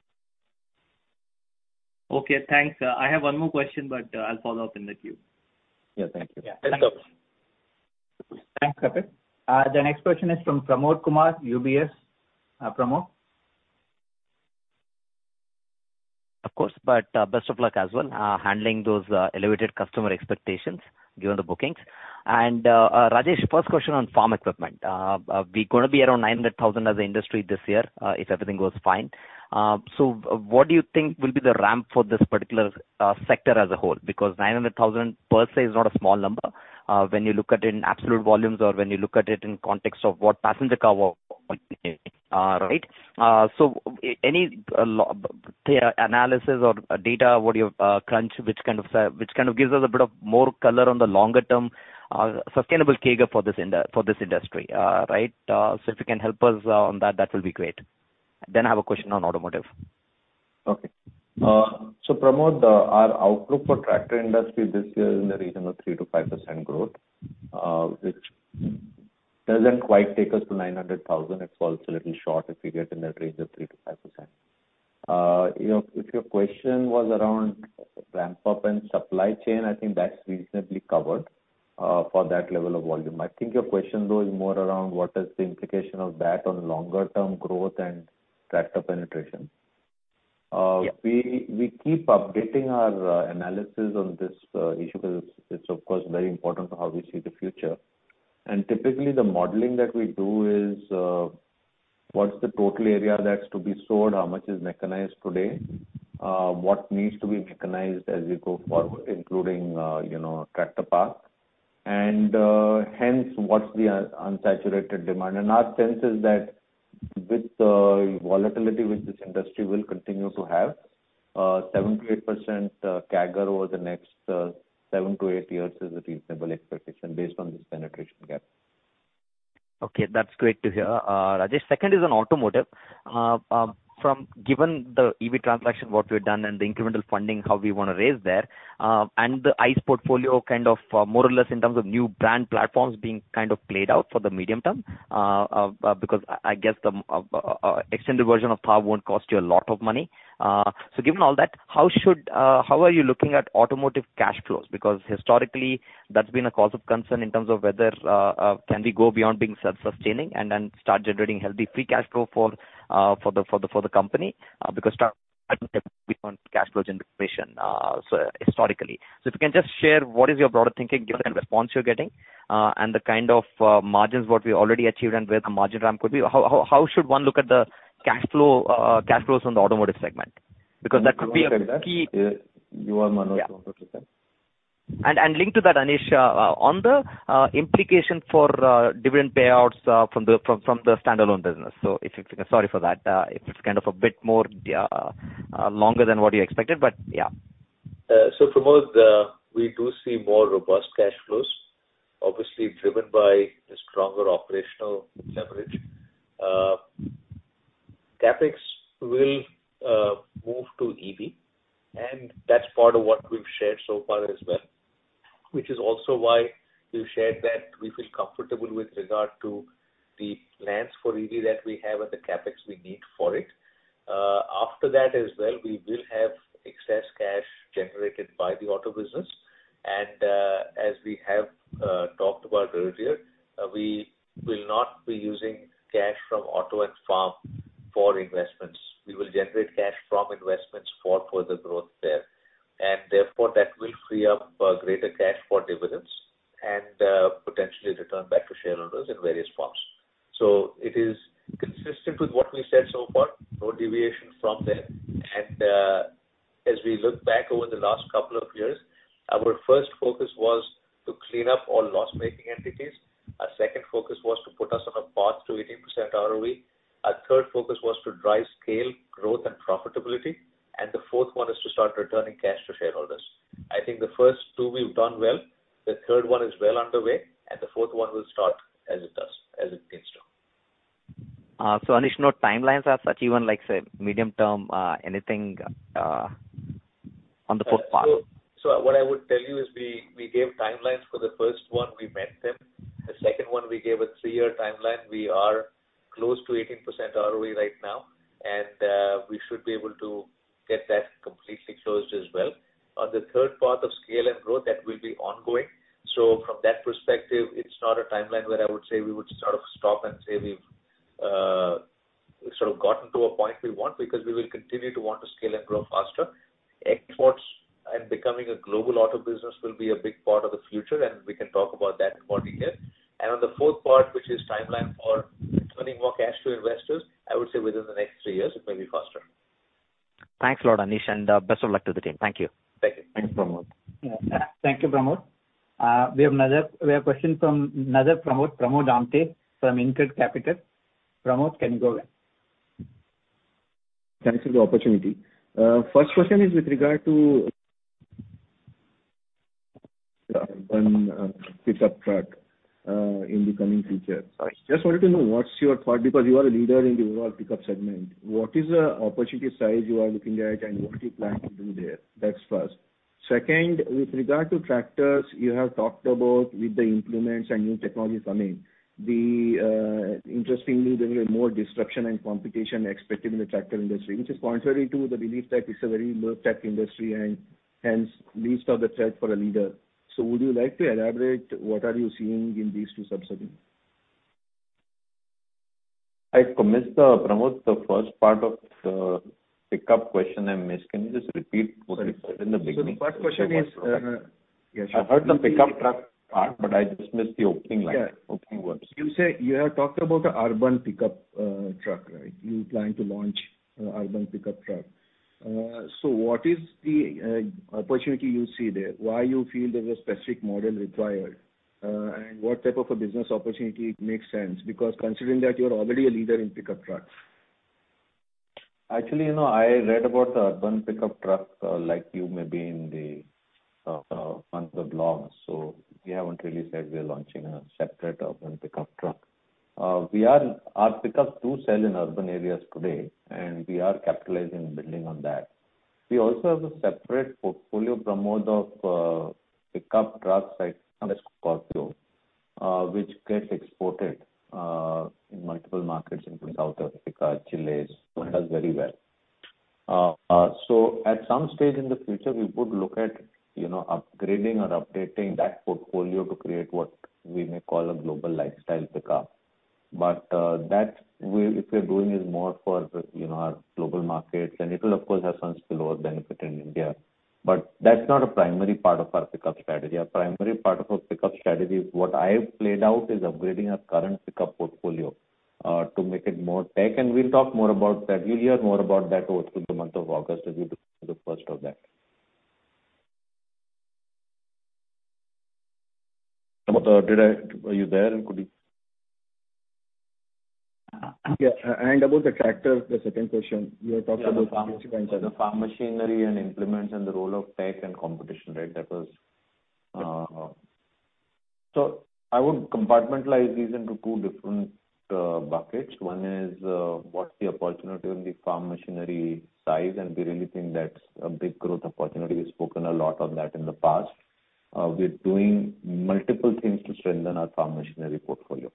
Okay, thanks. I have one more question, but I'll follow up in the queue. Yeah, thank you. Yeah, thanks. Thanks, Kapil. The next question is from Pramod Kumar, UBS. Pramod? Of course, but, best of luck as well, handling those elevated customer expectations given the bookings. Rajesh, first question on farm equipment. We're gonna be around 900,000 as an industry this year, if everything goes fine. What do you think will be the ramp for this particular sector as a whole? Because 900,000 per se is not a small number, when you look at it in absolute volumes or when you look at it in context of what passenger car, right? Any long-term analysis or data what you crunch which kind of gives us a bit more color on the longer term, sustainable CAGR for this industry, right? If you can help us on that will be great. I have a question on automotive. Okay. Pramod, our outlook for tractor industry this year is in the region of 3% to 5% growth, which doesn't quite take us to 900,000. It falls a little short if we get in that range of 3% to 5%. You know, if your question was around ramp up and supply chain, I think that's reasonably covered, for that level of volume. I think your question though is more around what is the implication of that on longer term growth and tractor penetration. Yeah. We keep updating our analysis on this issue because it's of course very important for how we see the future. Typically the modeling that we do is what's the total area that's to be sowed, how much is mechanized today, what needs to be mechanized as we go forward, including you know tractor park. Hence, what's the unsaturated demand. Our sense is that with volatility which this industry will continue to have, 7% to 8% CAGR over the next seven to eight years is a reasonable expectation based on this penetration gap. Okay, that's great to hear. Rajesh, second is on automotive. From given the EV transaction, what we've done and the incremental funding, how we wanna raise there, and the ICE portfolio kind of more or less in terms of new brand platforms being kind of played out for the medium term, because I guess the extended version of Pav won't cost you a lot of money. So given all that, how are you looking at automotive cash flows? Because historically, that's been a cause of concern in terms of whether can we go beyond being self-sustaining and then start generating healthy free cash flow for the company? Because. If you can just share what is your broader thinking, given the response you're getting, and the kind of margins what we already achieved and where the margin ramp could be. How should one look at the cash flow, cash flows on the automotive segment? Because that could be a key- You are Manoj Bhat Linked to that, Anish, on the implication for dividend payouts from the standalone business. Sorry for that. If it's kind of a bit more longer than what you expected, but yeah. Pramod, we do see more robust cash flows, obviously driven by the stronger operational leverage. CapEx will move to EV, and that's part of what we've shared so far as well, which is also why we've shared that we feel comfortable with regard to the plans for EV that we have and the CapEx we need for it. After that as well, we will have excess cash generated by the auto business, and as we have talked about earlier, we will not be using cash from auto and farm for investments. We will generate cash from investments for further growth there, and therefore that will free up greater cash for dividends and potentially return back to shareholders in various forms. It is consistent with what we said so far, no deviation from there. As we look back over the last couple of years, our first focus was to clean up all loss-making entities. Our second focus was to put us on a path to 18% ROE. Our third focus was to drive scale, growth and profitability. The fourth one is to start returning cash to shareholders. I think the first two we've done well, the third one is well underway, and the fourth one will start as it does, as it begins to. Anish, no timelines as such even, like, say, medium term, anything, on the fourth part? What I would tell you is we gave timelines for the first one, we met them. The second one, we gave a three-year timeline. We are close to 18% ROE right now, and we should be able to get that completely closed as well. On the third part of scale and growth, that will be ongoing. From that perspective, it's not a timeline where I would say we would sort of stop and say we've sort of gotten to a point we want because we will continue to want to scale and grow faster. Exports and becoming a global auto business will be a big part of the future, and we can talk about that in more detail. On the fourth part, which is timeline for returning more cash to investors, I would say within the next three years, it may be faster. Thanks a lot, Anish, and, best of luck to the team. Thank you. Thank you. Thanks, Pramod. Thank you, Pramod. We have question from another Pramod Amthe from InCred Capital. Pramod, can you go ahead? Thanks for the opportunity. First question is with regard to urban pickup truck in the coming future. Just wanted to know what's your thought, because you are a leader in the overall pickup segment. What is the opportunity size you are looking at, and what do you plan to do there? That's first. Second, with regard to tractors, you have talked about with the implements and new technology coming, interestingly, there is more disruption and competition expected in the tractor industry, which is contrary to the belief that it's a very low-tech industry and hence least of the threat for a leader. Would you like to elaborate what are you seeing in these two sub-segments? I missed, Pramod, the first part of the pickup question. Can you just repeat what you said in the beginning? Sorry. The first question is, I heard the pickup truck part, but I just missed the opening line, opening words. You say you have talked about a urban pickup truck, right? You plan to launch a urban pickup truck. So what is the opportunity you see there? Why you feel there's a specific model required? And what type of a business opportunity makes sense? Because considering that you're already a leader in pickup trucks. Actually, you know, I read about the urban pickup truck, like you maybe in the Mahindra Logistics. We haven't really said we're launching a separate urban pickup truck. Our pickups do sell in urban areas today, and we are capitalizing and building on that. We also have a separate portfolio, Pramod, of pickup trucks like Scorpio, which gets exported in multiple markets, including South Africa, Chile. It does very well. At some stage in the future, we would look at, you know, upgrading or updating that portfolio to create what we may call a global lifestyle pickup. That if we're doing is more for, you know, our global markets, and it will of course have some spillover benefit in India. That's not a primary part of our pickup strategy. Our primary part of our pickup strategy is what I've played out is upgrading our current pickup portfolio to make it more tech. We'll talk more about that. You'll hear more about that through the month of August as we do the first of that. Pramod, are you there? Could you- Yeah. About the tractors, the second question, you have talked about. The farm machinery and implements and the role of tech and competition, right? I would compartmentalize these into two different buckets. One is, what's the opportunity on the farm machinery side, and we really think that's a big growth opportunity. We've spoken a lot on that in the past. We're doing multiple things to strengthen our farm machinery portfolio.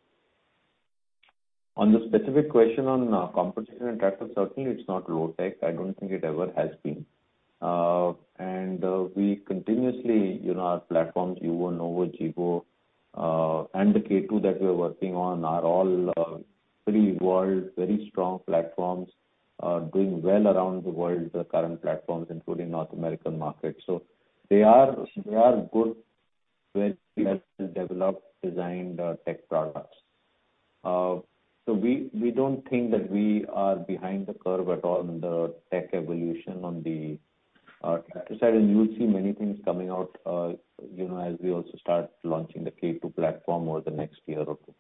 On the specific question on competition and tractors, certainly it's not low tech. I don't think it ever has been. We continuously, you know, our platforms, Yuvo, Novo, Jivo, and the K2 that we are working on are all pretty evolved, very strong platforms doing well around the world, the current platforms, including North American markets. They are well developed, designed tech products. We don't think that we are behind the curve at all in the tech evolution on the tractor side. You'll see many things coming out, you know, as we also start launching the K2 platform over the next year or two.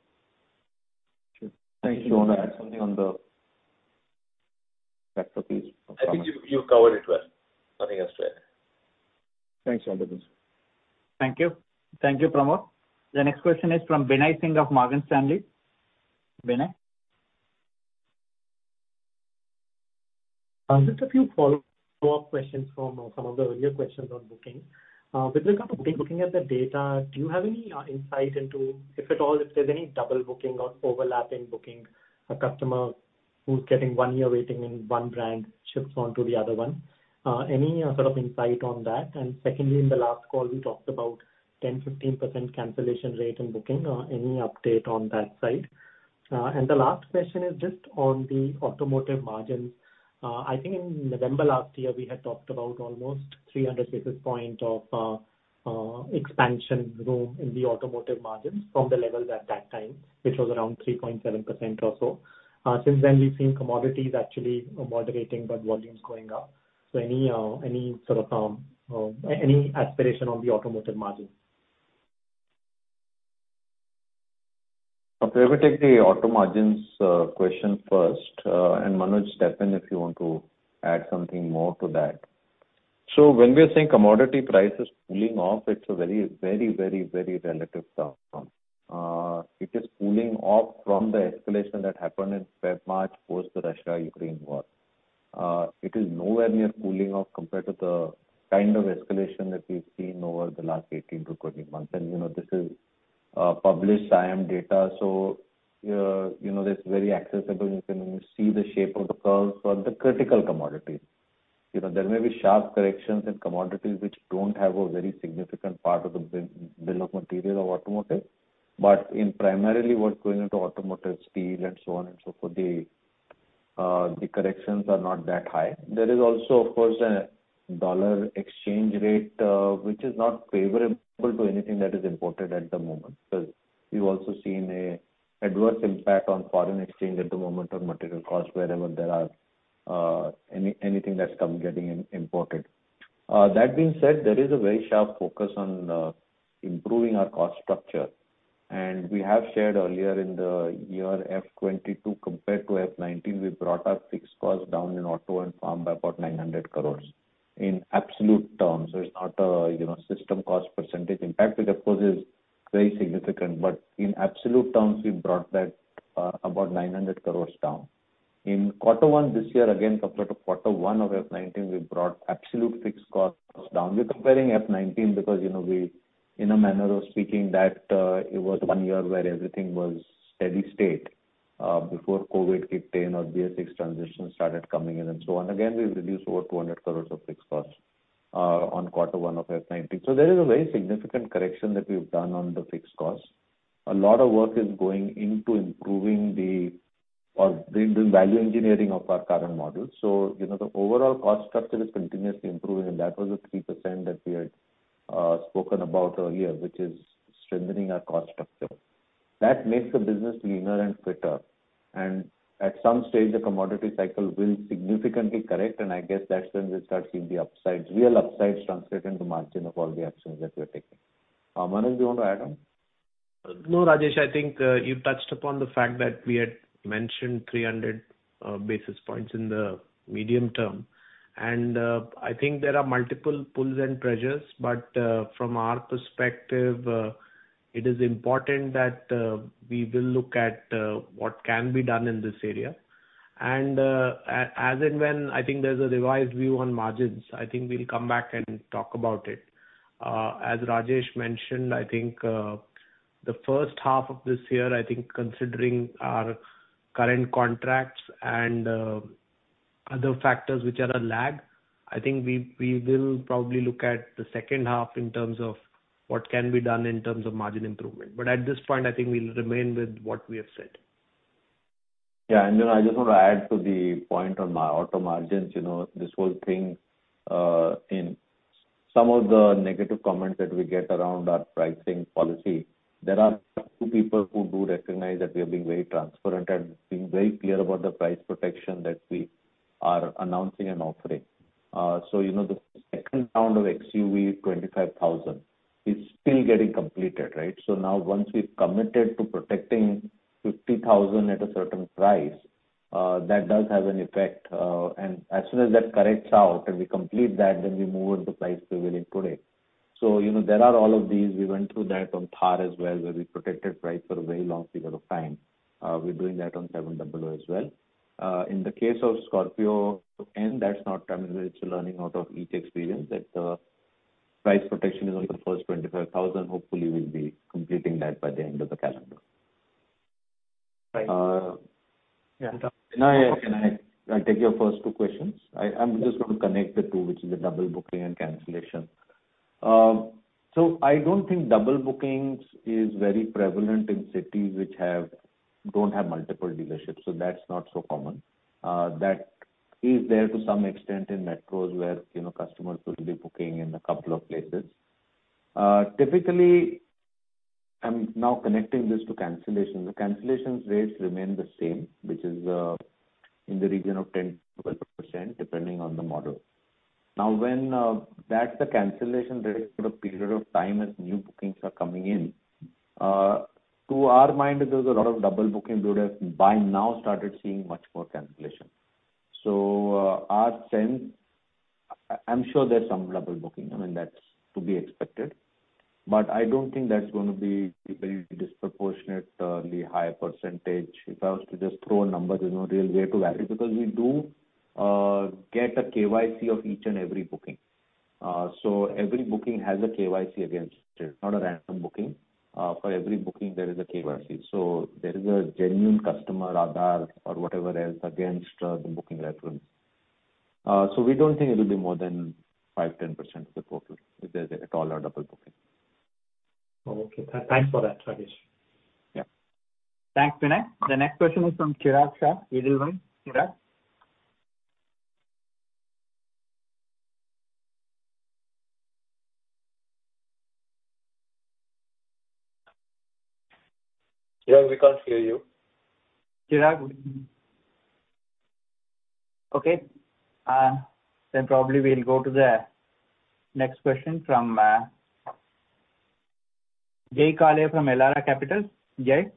Sure. Thank you. Manoj, do you want to add something on the tractor piece? I think you covered it well. Nothing else to add. Thanks, Manoj. Thank you. Thank you, Pramod. The next question is from Binay Singh of Morgan Stanley. Binay? Just a few follow-up questions from some of the earlier questions on booking. With regard to booking, looking at the data, do you have any insight into, if at all, if there's any double booking or overlapping booking, a customer who's getting one year waiting in one brand shifts on to the other one? Any sort of insight on that? And secondly, in the last call, we talked about 10% to 15% cancellation rate in booking. Any update on that side? And the last question is just on the automotive margins. I think in November last year, we had talked about almost 300 basis points of expansion room in the automotive margins from the levels at that time, which was around 3.7% or so. Since then we've seen commodities actually moderating, but volumes going up. Any sort of aspiration on the automotive margins? I'll probably take the auto margins question first, and Manoj, step in if you want to add something more to that. When we are saying commodity prices cooling off, it's a very relative term. It is cooling off from the escalation that happened in Feb, March post the Russo-Ukrainian War. It is nowhere near cooling off compared to the kind of escalation that we've seen over the last 18 to 20 months. You know, this is published IM data, so you know, that's very accessible. You can see the shape of the curves for the critical commodities. You know, there may be sharp corrections in commodities which don't have a very significant part of the bill of material of automotive. In primarily what's going into automotive, steel and so on and so forth, the corrections are not that high. There is also of course a dollar exchange rate, which is not favorable to anything that is imported at the moment. You've also seen an adverse impact on foreign exchange at the moment on material costs wherever there are anything that's coming getting imported. That being said, there is a very sharp focus on improving our cost structure. We have shared earlier in the year FY 2022 compared to FY 2019, we brought our fixed costs down in auto and farm by about 900 crore in absolute terms. It's not a, you know, system cost percentage impact. It of course is very significant, but in absolute terms, we brought that about 900 crore down. In Q1 this year, again, compared to Q1 of FY 2019, we brought absolute fixed costs down. We're comparing FY 2019 because, you know, we in a manner of speaking that, it was one year where everything was steady state, before COVID kicked in or BS VI transition started coming in and so on. Again, we've reduced over 200 crore of fixed costs, on Q1 of FY 2019. There is a very significant correction that we've done on the fixed costs. A lot of work is going into improving or doing value engineering of our current models. You know, the overall cost structure is continuously improving, and that was the 3% that we had spoken about earlier, which is strengthening our cost structure. That makes the business leaner and fitter. At some stage, the commodity cycle will significantly correct, and I guess that's when we'll start seeing the upsides, real upsides translate into margin of all the actions that we're taking. Manoj, you want to add on? No, Rajesh, I think you touched upon the fact that we had mentioned 300 basis points in the medium term. I think there are multiple pulls and pressures. From our perspective, it is important that we will look at what can be done in this area. As and when I think there's a revised view on margins, I think we'll come back and talk about it. As Rajesh mentioned, I think the first half of this year, I think considering our current contracts and other factors which are a lag, I think we will probably look at the second half in terms of what can be done in terms of margin improvement. At this point, I think we'll remain with what we have said. Yeah. You know, I just want to add to the point on M&M auto margins. You know, this whole thing, in some of the negative comments that we get around our pricing policy, there are a few people who do recognize that we are being very transparent and being very clear about the price protection that we are announcing and offering. You know, the second round of XUV 25,000 is still getting completed, right? Now once we've committed to protecting 50,000 at a certain price, that does have an effect. And as soon as that corrects out and we complete that, then we move on to price prevailing today. You know, there are all of these. We went through that on Thar as well, where we protected price for a very long period of time. We're doing that on XUV700 as well. In the case of Scorpio N, that's not coming. We're still learning out of each experience that price protection is only the first 25,000. Hopefully, we'll be completing that by the end of the calendar. Right. Yeah. Can I take your first two questions? I'm just gonna connect the two, which is the double booking and cancellation. I don't think double bookings is very prevalent in cities which don't have multiple dealerships, so that's not so common. That is there to some extent in metros where, you know, customers will be booking in a couple of places. Typically, I'm now connecting this to cancellations. The cancellations rates remain the same, which is in the region of 10% to 12%, depending on the model. Now, when that's the cancellation rate for the period of time as new bookings are coming in, to our mind, if there was a lot of double booking, we would have by now started seeing much more cancellation. Our sense, I'm sure there's some double booking. I mean, that's to be expected. I don't think that's gonna be very disproportionately high percentage. If I was to just throw a number, there's no real way to verify because we do get a KYC of each and every booking. So every booking has a KYC against it, not a random booking. For every booking there is a KYC, so there is a genuine customer Aadhaar or whatever else against the booking reference. So we don't think it'll be more than 5% to 10% of the total if there's at all a double booking. Oh, okay. Thanks for that, Rajesh. Yeah. Thanks, Binay. The next question is from Chirag Shah, Edelweiss. Chirag? Chirag, we can't hear you. Chirag? Okay, then probably we'll go to the next question from Jay Kale from Elara Capital. Jay?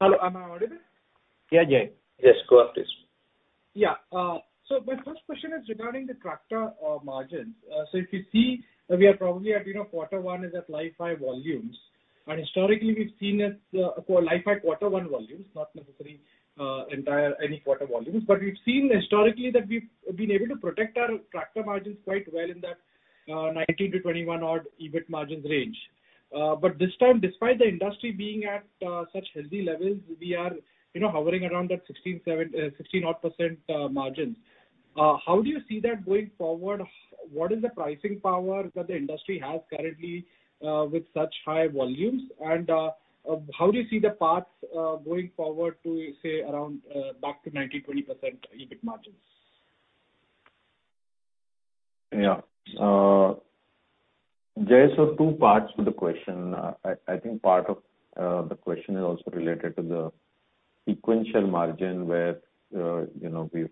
Hello, am I audible? Yeah, Jay. Yes, go ahead please. Yeah. My first question is regarding the tractor margins. If you see, we are probably at, you know, Q1 is at life-high volumes. Historically, we've seen as for life-high Q1 volumes, not necessarily entire any quarter volumes. We've seen historically that we've been able to protect our tractor margins quite well in that 19% to 21% odd EBIT margins range. This time, despite the industry being at such healthy levels, we are, you know, hovering around that 16.7%, odd 16%margins. How do you see that going forward? What is the pricing power that the industry has currently with such high volumes? How do you see the path going forward to, say, around back to 19% to 20% EBIT margins? Yeah. Jay, two parts to the question. I think part of the question is also related to the sequential margin where, you know, we've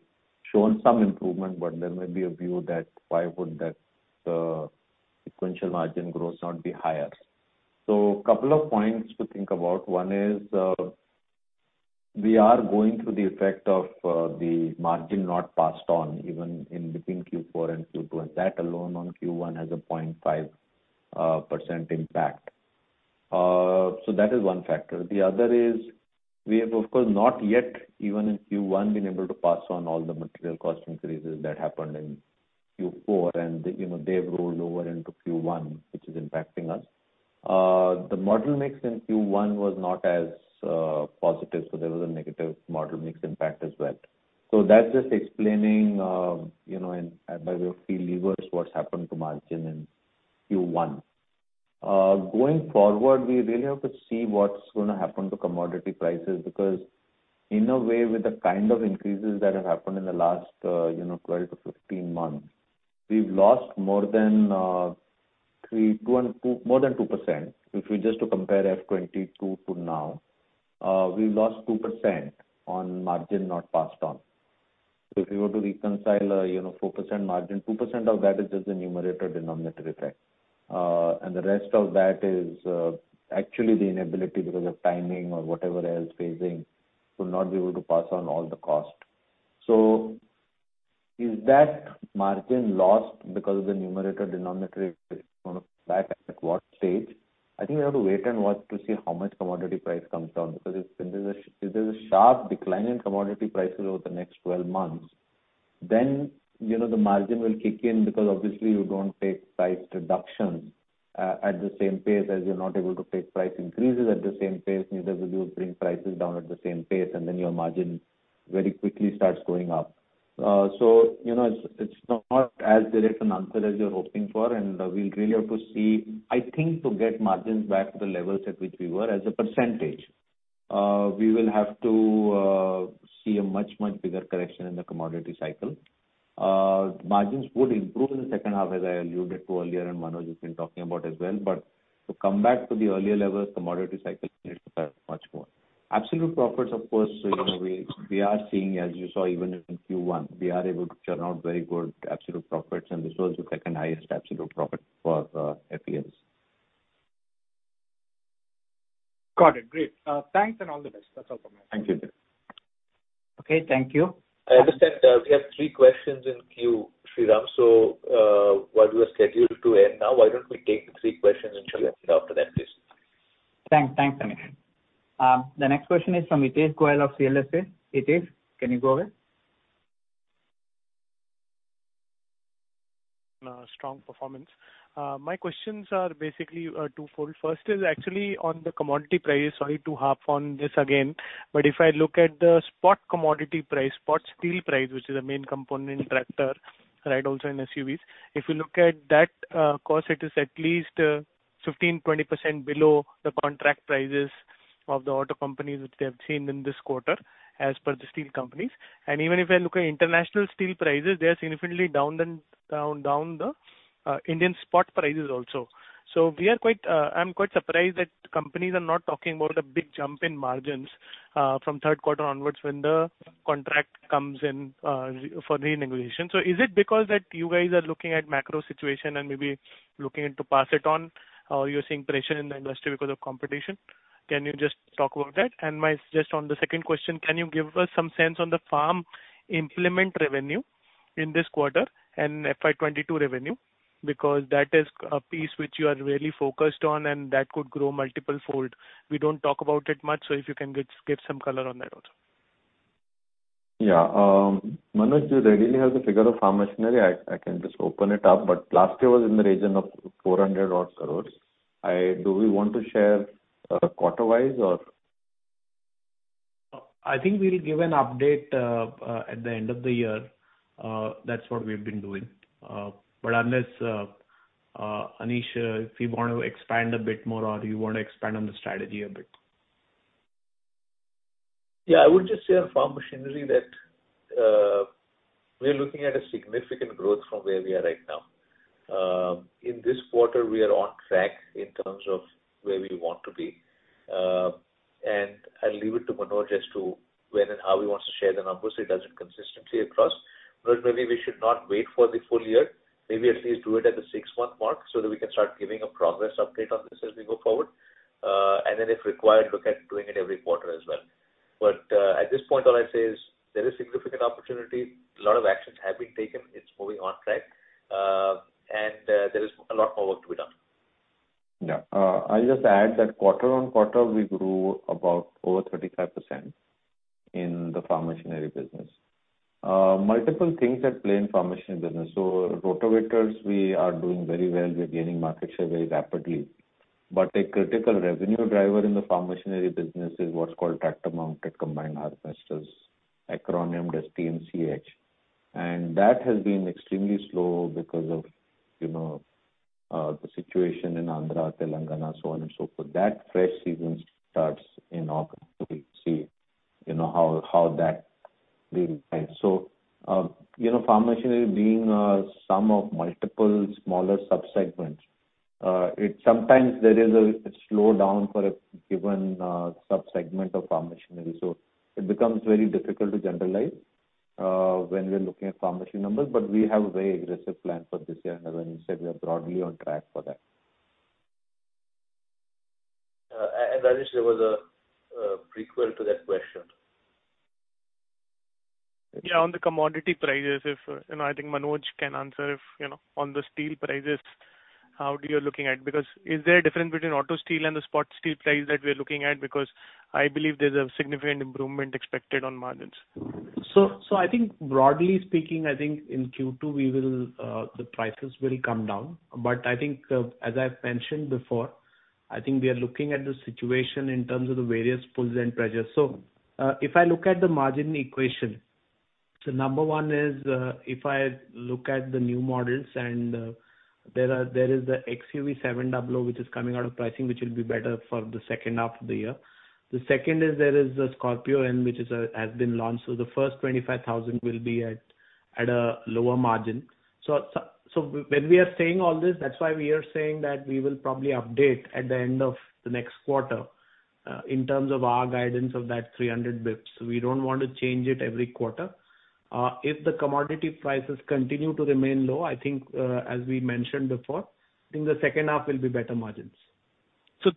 shown some improvement, but there may be a view that why would that sequential margin growth not be higher. Couple of points to think about. One is, we are going through the effect of the margin not passed on even in between Q4 and Q2, and that alone on Q1 has a 0.5% impact. That is one factor. The other is we have, of course, not yet, even in Q1, been able to pass on all the material cost increases that happened in Q4. You know, they've rolled over into Q1, which is impacting us. The model mix in Q1 was not as positive, so there was a negative model mix impact as well. That's just explaining, you know, and by way of three levers, what's happened to margin in Q1. Going forward, we really have to see what's gonna happen to commodity prices because in a way with the kind of increases that have happened in the last 12 to 15 months, we've lost more than 3%, 2% and 2%, more than 2%. If we just to compare FY 2022 to now, we've lost 2% on margin not passed on. If you were to reconcile, you know, 4% margin, 2% of that is just the numerator denominator effect. The rest of that is, actually the inability because of timing or whatever else phasing to not be able to pass on all the cost. Is that margin lost because of the numerator denominator effect? Gonna back at what stage? I think we have to wait and watch to see how much commodity price comes down. Because if there's a sharp decline in commodity prices over the next 12 months, then you know the margin will kick in because obviously you don't take price reductions at the same pace as you're not able to take price increases at the same pace, neither will you bring prices down at the same pace, and then your margin very quickly starts going up. You know, it's not as direct an answer as you're hoping for, and we really have to see. I think to get margins back to the levels at which we were as a percentage, we will have to see a much bigger correction in the commodity cycle. Margins would improve in the second half, as I alluded to earlier and Manoj has been talking about as well. To come back to the earlier levels, commodity cycle needs to correct much more. Absolute profits of course, you know, we are seeing, as you saw even in Q1, we are able to churn out very good absolute profits and this was the second highest absolute profit for FES. Got it. Great. Thanks and all the best. That's all from my end. Thank you, Jay. Okay, thank you. I understand, we have three questions in queue, Sriram. While we are scheduled to end now, why don't we take the three questions and shall end after that, please. Thanks. Thanks, Anish. The next question is from Hitesh Goel of CLSA. Hitesh, can you go ahead? Strong performance. My questions are basically twofold. First is actually on the commodity price. Sorry to harp on this again, but if I look at the spot commodity price, spot steel price, which is a main component in tractors, right, also in SUVs. If you look at that, cost, it is at least 15% to 20% below the contract prices of the auto companies which they have seen in this quarter as per the steel companies. Even if I look at international steel prices, they are significantly lower than the Indian spot prices also. I'm quite surprised that companies are not talking about a big jump in margins from Q3 onwards when the contract comes in for renegotiation. Is it because that you guys are looking at macro situation and maybe looking to pass it on? Or you're seeing pressure in the industry because of competition? Can you just talk about that? My, just on the second question, can you give us some sense on the farm implement revenue in this quarter and FY 2022 revenue? Because that is a piece which you are really focused on, and that could grow multiple fold. We don't talk about it much, so if you can give some color on that also. Yeah. Manoj, do they really have the figure of farm machinery? I can just open it up, but last year was in the region of 400-odd crores. Do we want to share quarter-wise or? I think we'll give an update at the end of the year. That's what we've been doing. Unless Anish, if you want to expand a bit more or you wanna expand on the strategy a bit. Yeah. I would just say on farm machinery that we are looking at a significant growth from where we are right now. In this quarter we are on track in terms of where we want to be. I'll leave it to Manoj as to when and how he wants to share the numbers. He does it consistently across. Maybe we should not wait for the full year, maybe at least do it at the six-month mark so that we can start giving a progress update on this as we go forward. If required, look at doing it every quarter as well. At this point all I say is there is significant opportunity. A lot of actions have been taken. It's moving on track. There is a lot more work to be done. Yeah. I'll just add that quarter-on-quarter we grew about over 35% in the farm machinery business. Multiple things at play in farm machinery business. Rotavators we are doing very well. We're gaining market share very rapidly. A critical revenue driver in the farm machinery business is what's called tractor-mounted combined harvesters, acronymed as TMCH. That has been extremely slow because of, you know, the situation in Andhra, Telangana, so on and so forth. That fresh season starts in August. We'll see, you know, how that will play. Farm machinery being sum of multiple smaller sub-segments, it sometimes there is a slowdown for a given sub-segment of farm machinery, so it becomes very difficult to generalize when we're looking at farm machinery numbers. We have a very aggressive plan for this year, and as Anish said, we are broadly on track for that. Hitesh, there was a prequel to that question. Yeah, on the commodity prices, if, you know, I think Manoj can answer on the steel prices, how do you looking at, because is there a difference between auto steel and the spot steel price that we're looking at? Because I believe there's a significant improvement expected on margins. I think broadly speaking, I think in Q2 the prices will come down. I think as I've mentioned before, I think we are looking at the situation in terms of the various pulls and pressures. If I look at the margin equation, number one is if I look at the new models and there is the XUV700 which is coming out of pricing which will be better for the H2. The second is there is a Scorpio N which has been launched. The first 25,000 will be at a lower margin. When we are saying all this, that's why we are saying that we will probably update at the end of the next quarter in terms of our guidance of that 300 basis points. We don't want to change it every quarter. If the commodity prices continue to remain low, I think, as we mentioned before, I think the second half will be better margins.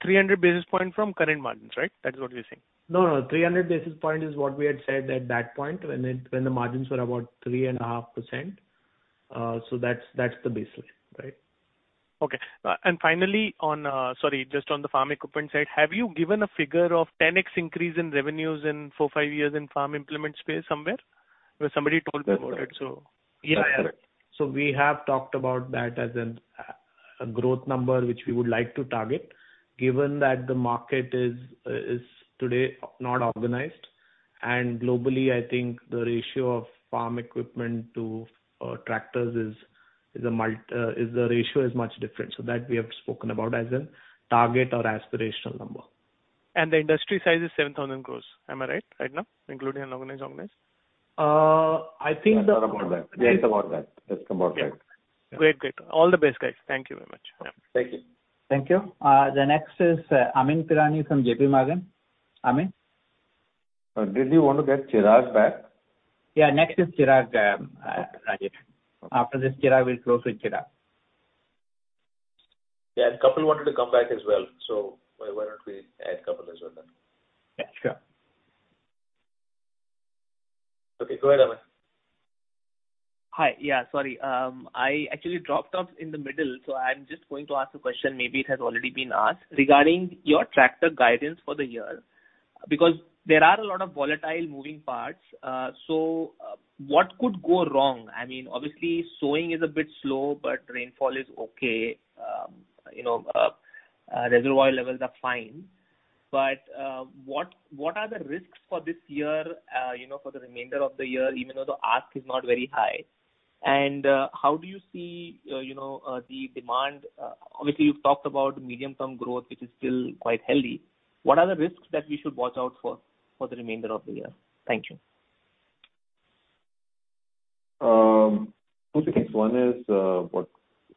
300 basis points from current margins, right? That is what you're saying. No, no. 300 basis points is what we had said at that point when the margins were about 3.5%. So that's the baseline, right? Okay. Finally on, sorry, just on the farm equipment side, have you given a figure of 10x increase in revenues in four, five years in farm implement space somewhere? Where somebody told me about it, so. We have talked about that as a growth number which we would like to target, given that the market is today not organized. Globally, I think the ratio of farm equipment to tractors is much different. That we have spoken about as a target or aspirational number. The industry size is 7,000 crore. Am I right now? Including organized. I think the Yeah. It's about that. Great. All the best, guys. Thank you very much. Thank you. Thank you. The next is Amyn Pirani from JPMorgan. Amyn? Did you want to get Chirag back? Yeah. Next is Chirag, Rajesh. After this Chirag, we'll close with Chirag. Yeah. Kapil wanted to come back as well. Why don't we add Kapil as well then? Yeah, sure. Okay, go ahead, Amyn. Hi. Yeah, sorry. I actually dropped off in the middle, so I'm just going to ask a question, maybe it has already been asked. Regarding your tractor guidance for the year, because there are a lot of volatile moving parts, what could go wrong? I mean, obviously, sowing is a bit slow, but rainfall is okay. You know, reservoir levels are fine. What are the risks for this year, you know, for the remainder of the year, even though the ask is not very high? How do you see, you know, the demand? Obviously, you've talked about medium-term growth, which is still quite healthy. What are the risks that we should watch out for the remainder of the year? Thank you. Two things. One is what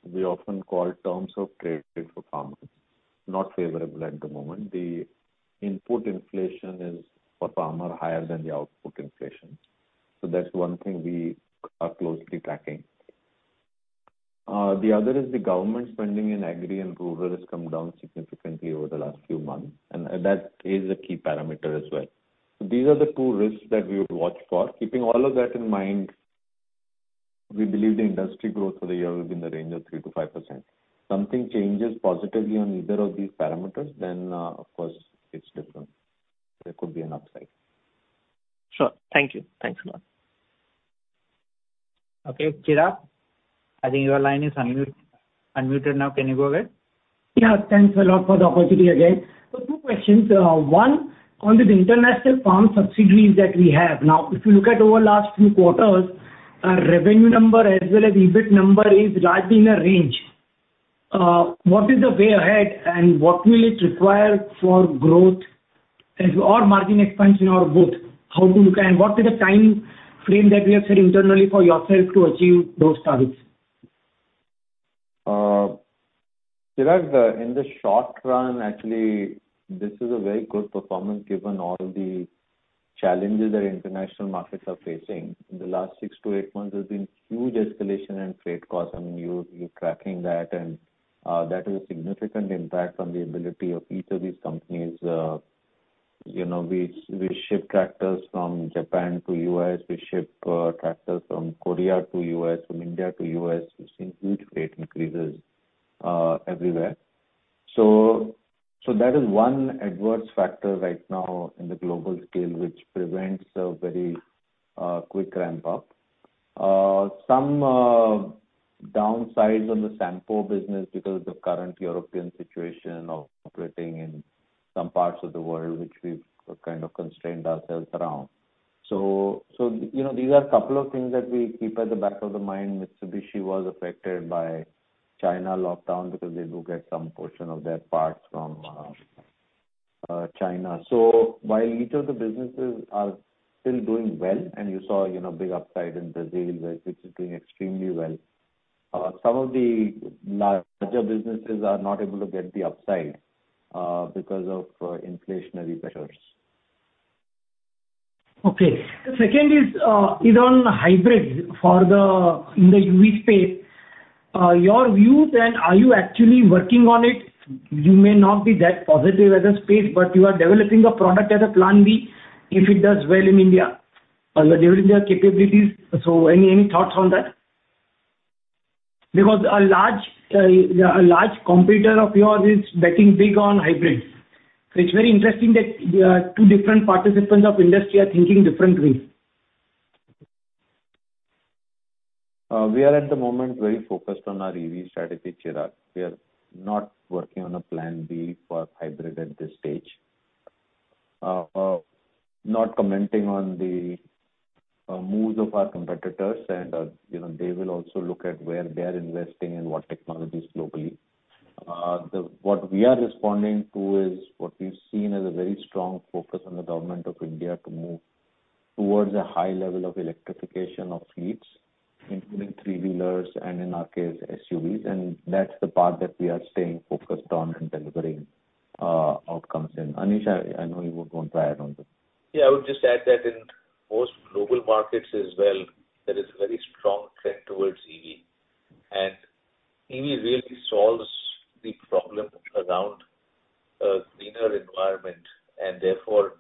we often call terms of trade for farmers, not favorable at the moment. The input inflation is for farmer higher than the output inflation. That's one thing we are closely tracking. The other is the government spending in agri and rural has come down significantly over the last few months, and that is a key parameter as well. These are the two risks that we would watch for. Keeping all of that in mind, we believe the industry growth for the year will be in the range of 3% to 5%. Something changes positively on either of these parameters, then of course it's different. There could be an upside. Sure. Thank you. Thanks a lot. Okay. Chirag, I think your line is unmuted now. Can you go ahead? Yeah. Thanks a lot for the opportunity again. Two questions. One, on the international farm subsidiaries that we have now, if you look at over last few quarters, our revenue number as well as EBIT number is largely in a range. What is the way ahead and what will it require for growth or margin expansion or both? What is the timeframe that we have set internally for yourself to achieve those targets? Chirag, in the short run, actually this is a very good performance given all the challenges that international markets are facing. In the last six to eight months, there's been huge escalation in freight costs. I mean, you're tracking that, and that has significant impact on the ability of each of these companies. You know, we ship tractors from Japan to U.S. We ship tractors from Korea to U.S., from India to U.S. We've seen huge freight increases everywhere. That is one adverse factor right now in the global scale, which prevents a very quick ramp up. Some downsides on the Sampo business because of the current European situation of operating in some parts of the world, which we've kind of constrained ourselves around. You know, these are a couple of things that we keep at the back of the mind. Mitsubishi was affected by China lockdown because they do get some portion of their parts from China. While each of the businesses are still doing well, and you saw, you know, big upside in Brazil, where it is doing extremely well, some of the larger businesses are not able to get the upside because of inflationary pressures. Okay. The second is on hybrids in the EV space. Your views and are you actually working on it? You may not be that positive as a space, but you are developing a product as a plan B if it does well in India, delivering their capabilities. Any thoughts on that? Because a large competitor of yours is betting big on hybrids. It's very interesting that two different participants of industry are thinking differently. We are at the moment very focused on our EV strategy, Chirag. We are not working on a plan B for hybrid at this stage. Not commenting on the moves of our competitors. You know, they will also look at where they are investing and what technologies globally. What we are responding to is what we've seen is a very strong focus on the government of India to move towards a high level of electrification of fleets, including three-wheelers and, in our case, SUVs. That's the part that we are staying focused on and delivering outcomes in. Anish, I know you would want to add on this. Yeah. I would just add that in most global markets as well, there is a very strong trend towards EV. EV really solves the problem around a greener environment. Therefore,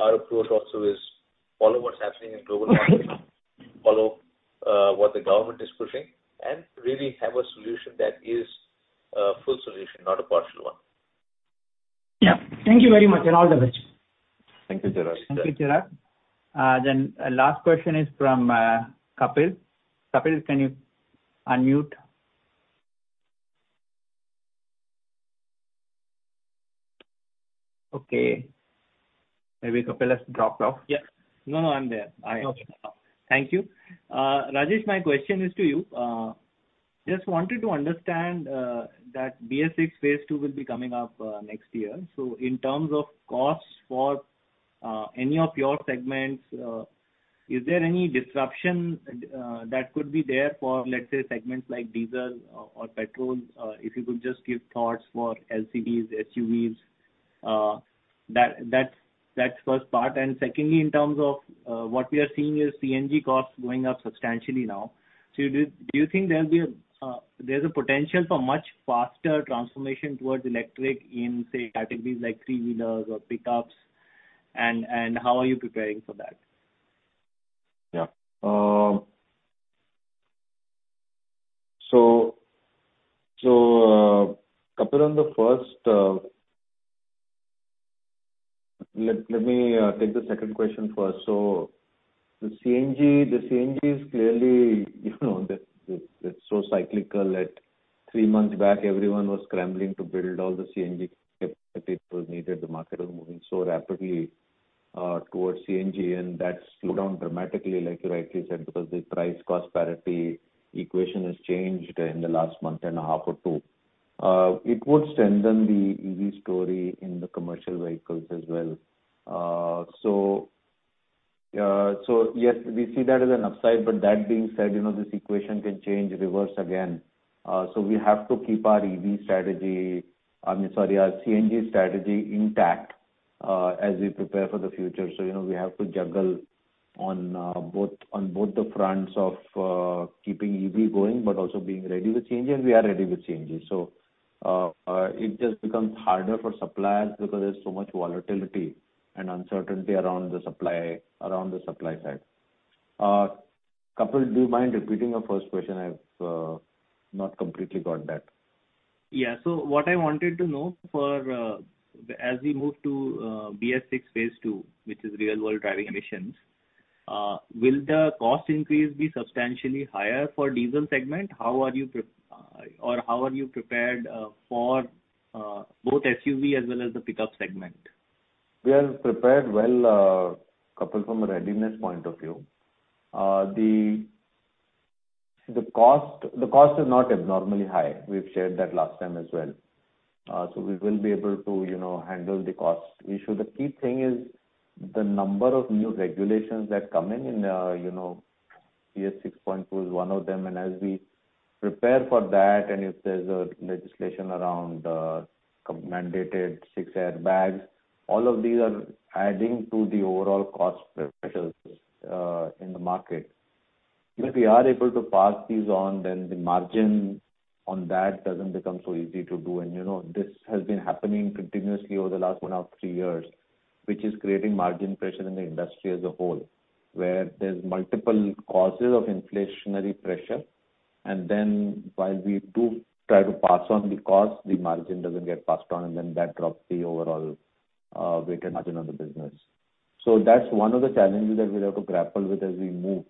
our approach also is follow what's happening in global markets, what the government is pushing, and really have a solution that is a full solution, not a partial one. Yeah. Thank you very much. All the best. Thank you, Chirag. Thank you, Chirag. Last question is from Kapil. Kapil, can you unmute? Okay. Maybe Kapil has dropped off. Yeah. No, no, I'm there. Okay. Thank you. Rajesh, my question is to you. Just wanted to understand that BS VI Phase II will be coming up next year. So in terms of costs for any of your segments, is there any disruption that could be there for, let's say, segments like diesel or petrol? If you could just give thoughts for LCVs, SUVs. That's the first part. Secondly, in terms of what we are seeing is CNG costs going up substantially now. So do you think there's a potential for much faster transformation towards electric in, say, categories like three-wheelers or pickups, and how are you preparing for that? Kapil, on the first. Let me take the second question first. The CNG is clearly, you know, that it's so cyclical that three months back everyone was scrambling to build all the CNG capacity it was needed. The market was moving so rapidly towards CNG, and that slowed down dramatically, like you rightly said, because the price cost parity equation has changed in the last month and a half or two. It would strengthen the EV story in the commercial vehicles as well. So yes, we see that as an upside, but that being said, you know, this equation can change or reverse again. We have to keep our EV strategy, I mean, sorry, our CNG strategy intact, as we prepare for the future. You know, we have to juggle on both the fronts of keeping EV going, but also being ready with changes. We are ready with changes. It just becomes harder for suppliers because there's so much volatility and uncertainty around the supply side. Kapil, do you mind repeating your first question? I've not completely got that. What I wanted to know for, as we move to BS VI Phase II, which is real-world driving emissions, will the cost increase be substantially higher for diesel segment? How are you prepared for both SUV as well as the pickup segment? We are prepared well, Kapil, from a readiness point of view. The cost is not abnormally high. We've shared that last time as well. We will be able to, you know, handle the cost issue. The key thing is the number of new regulations that come in, you know, BS VI.2 is one of them. As we prepare for that, and if there's a legislation around mandated six airbags, all of these are adding to the overall cost pressures in the market. If we are able to pass these on, then the margin on that doesn't become so easy to do. You know, this has been happening continuously over the last one out of three years, which is creating margin pressure in the industry as a whole, where there's multiple causes of inflationary pressure. While we do try to pass on the cost, the margin doesn't get passed on, and then that drops the overall weighted margin of the business. That's one of the challenges that we'll have to grapple with as we move.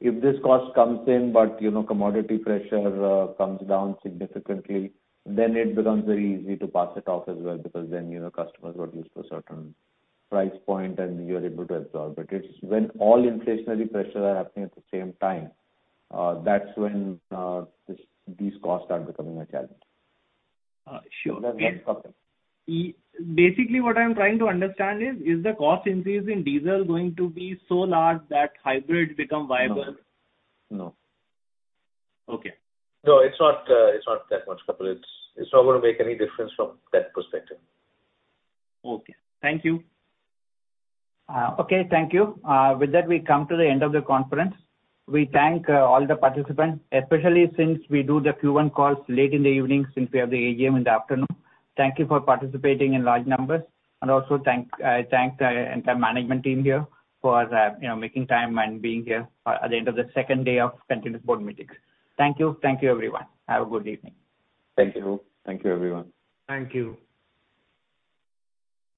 If this cost comes in, you know, commodity pressure comes down significantly, then it becomes very easy to pass it off as well, because then, you know, customers got used to a certain price point and you're able to absorb it. It's when all inflationary pressures are happening at the same time, that's when these costs are becoming a challenge. Sure. Does that make sense, Kapil? Basically, what I'm trying to understand is the cost increase in diesel going to be so large that hybrids become viable? No. No. Okay. No, it's not, it's not that much, Kapil. It's not gonna make any difference from that perspective. Okay. Thank you. Okay. Thank you. With that, we come to the end of the conference. We thank all the participants, especially since we do the Q1 calls late in the evening since we have the AGM in the afternoon. Thank you for participating in large numbers, and also thank the management team here for you know, making time and being here at the end of the second day of continuous board meetings. Thank you. Thank you, everyone. Have a good evening. Thank you. Thank you, everyone. Thank you.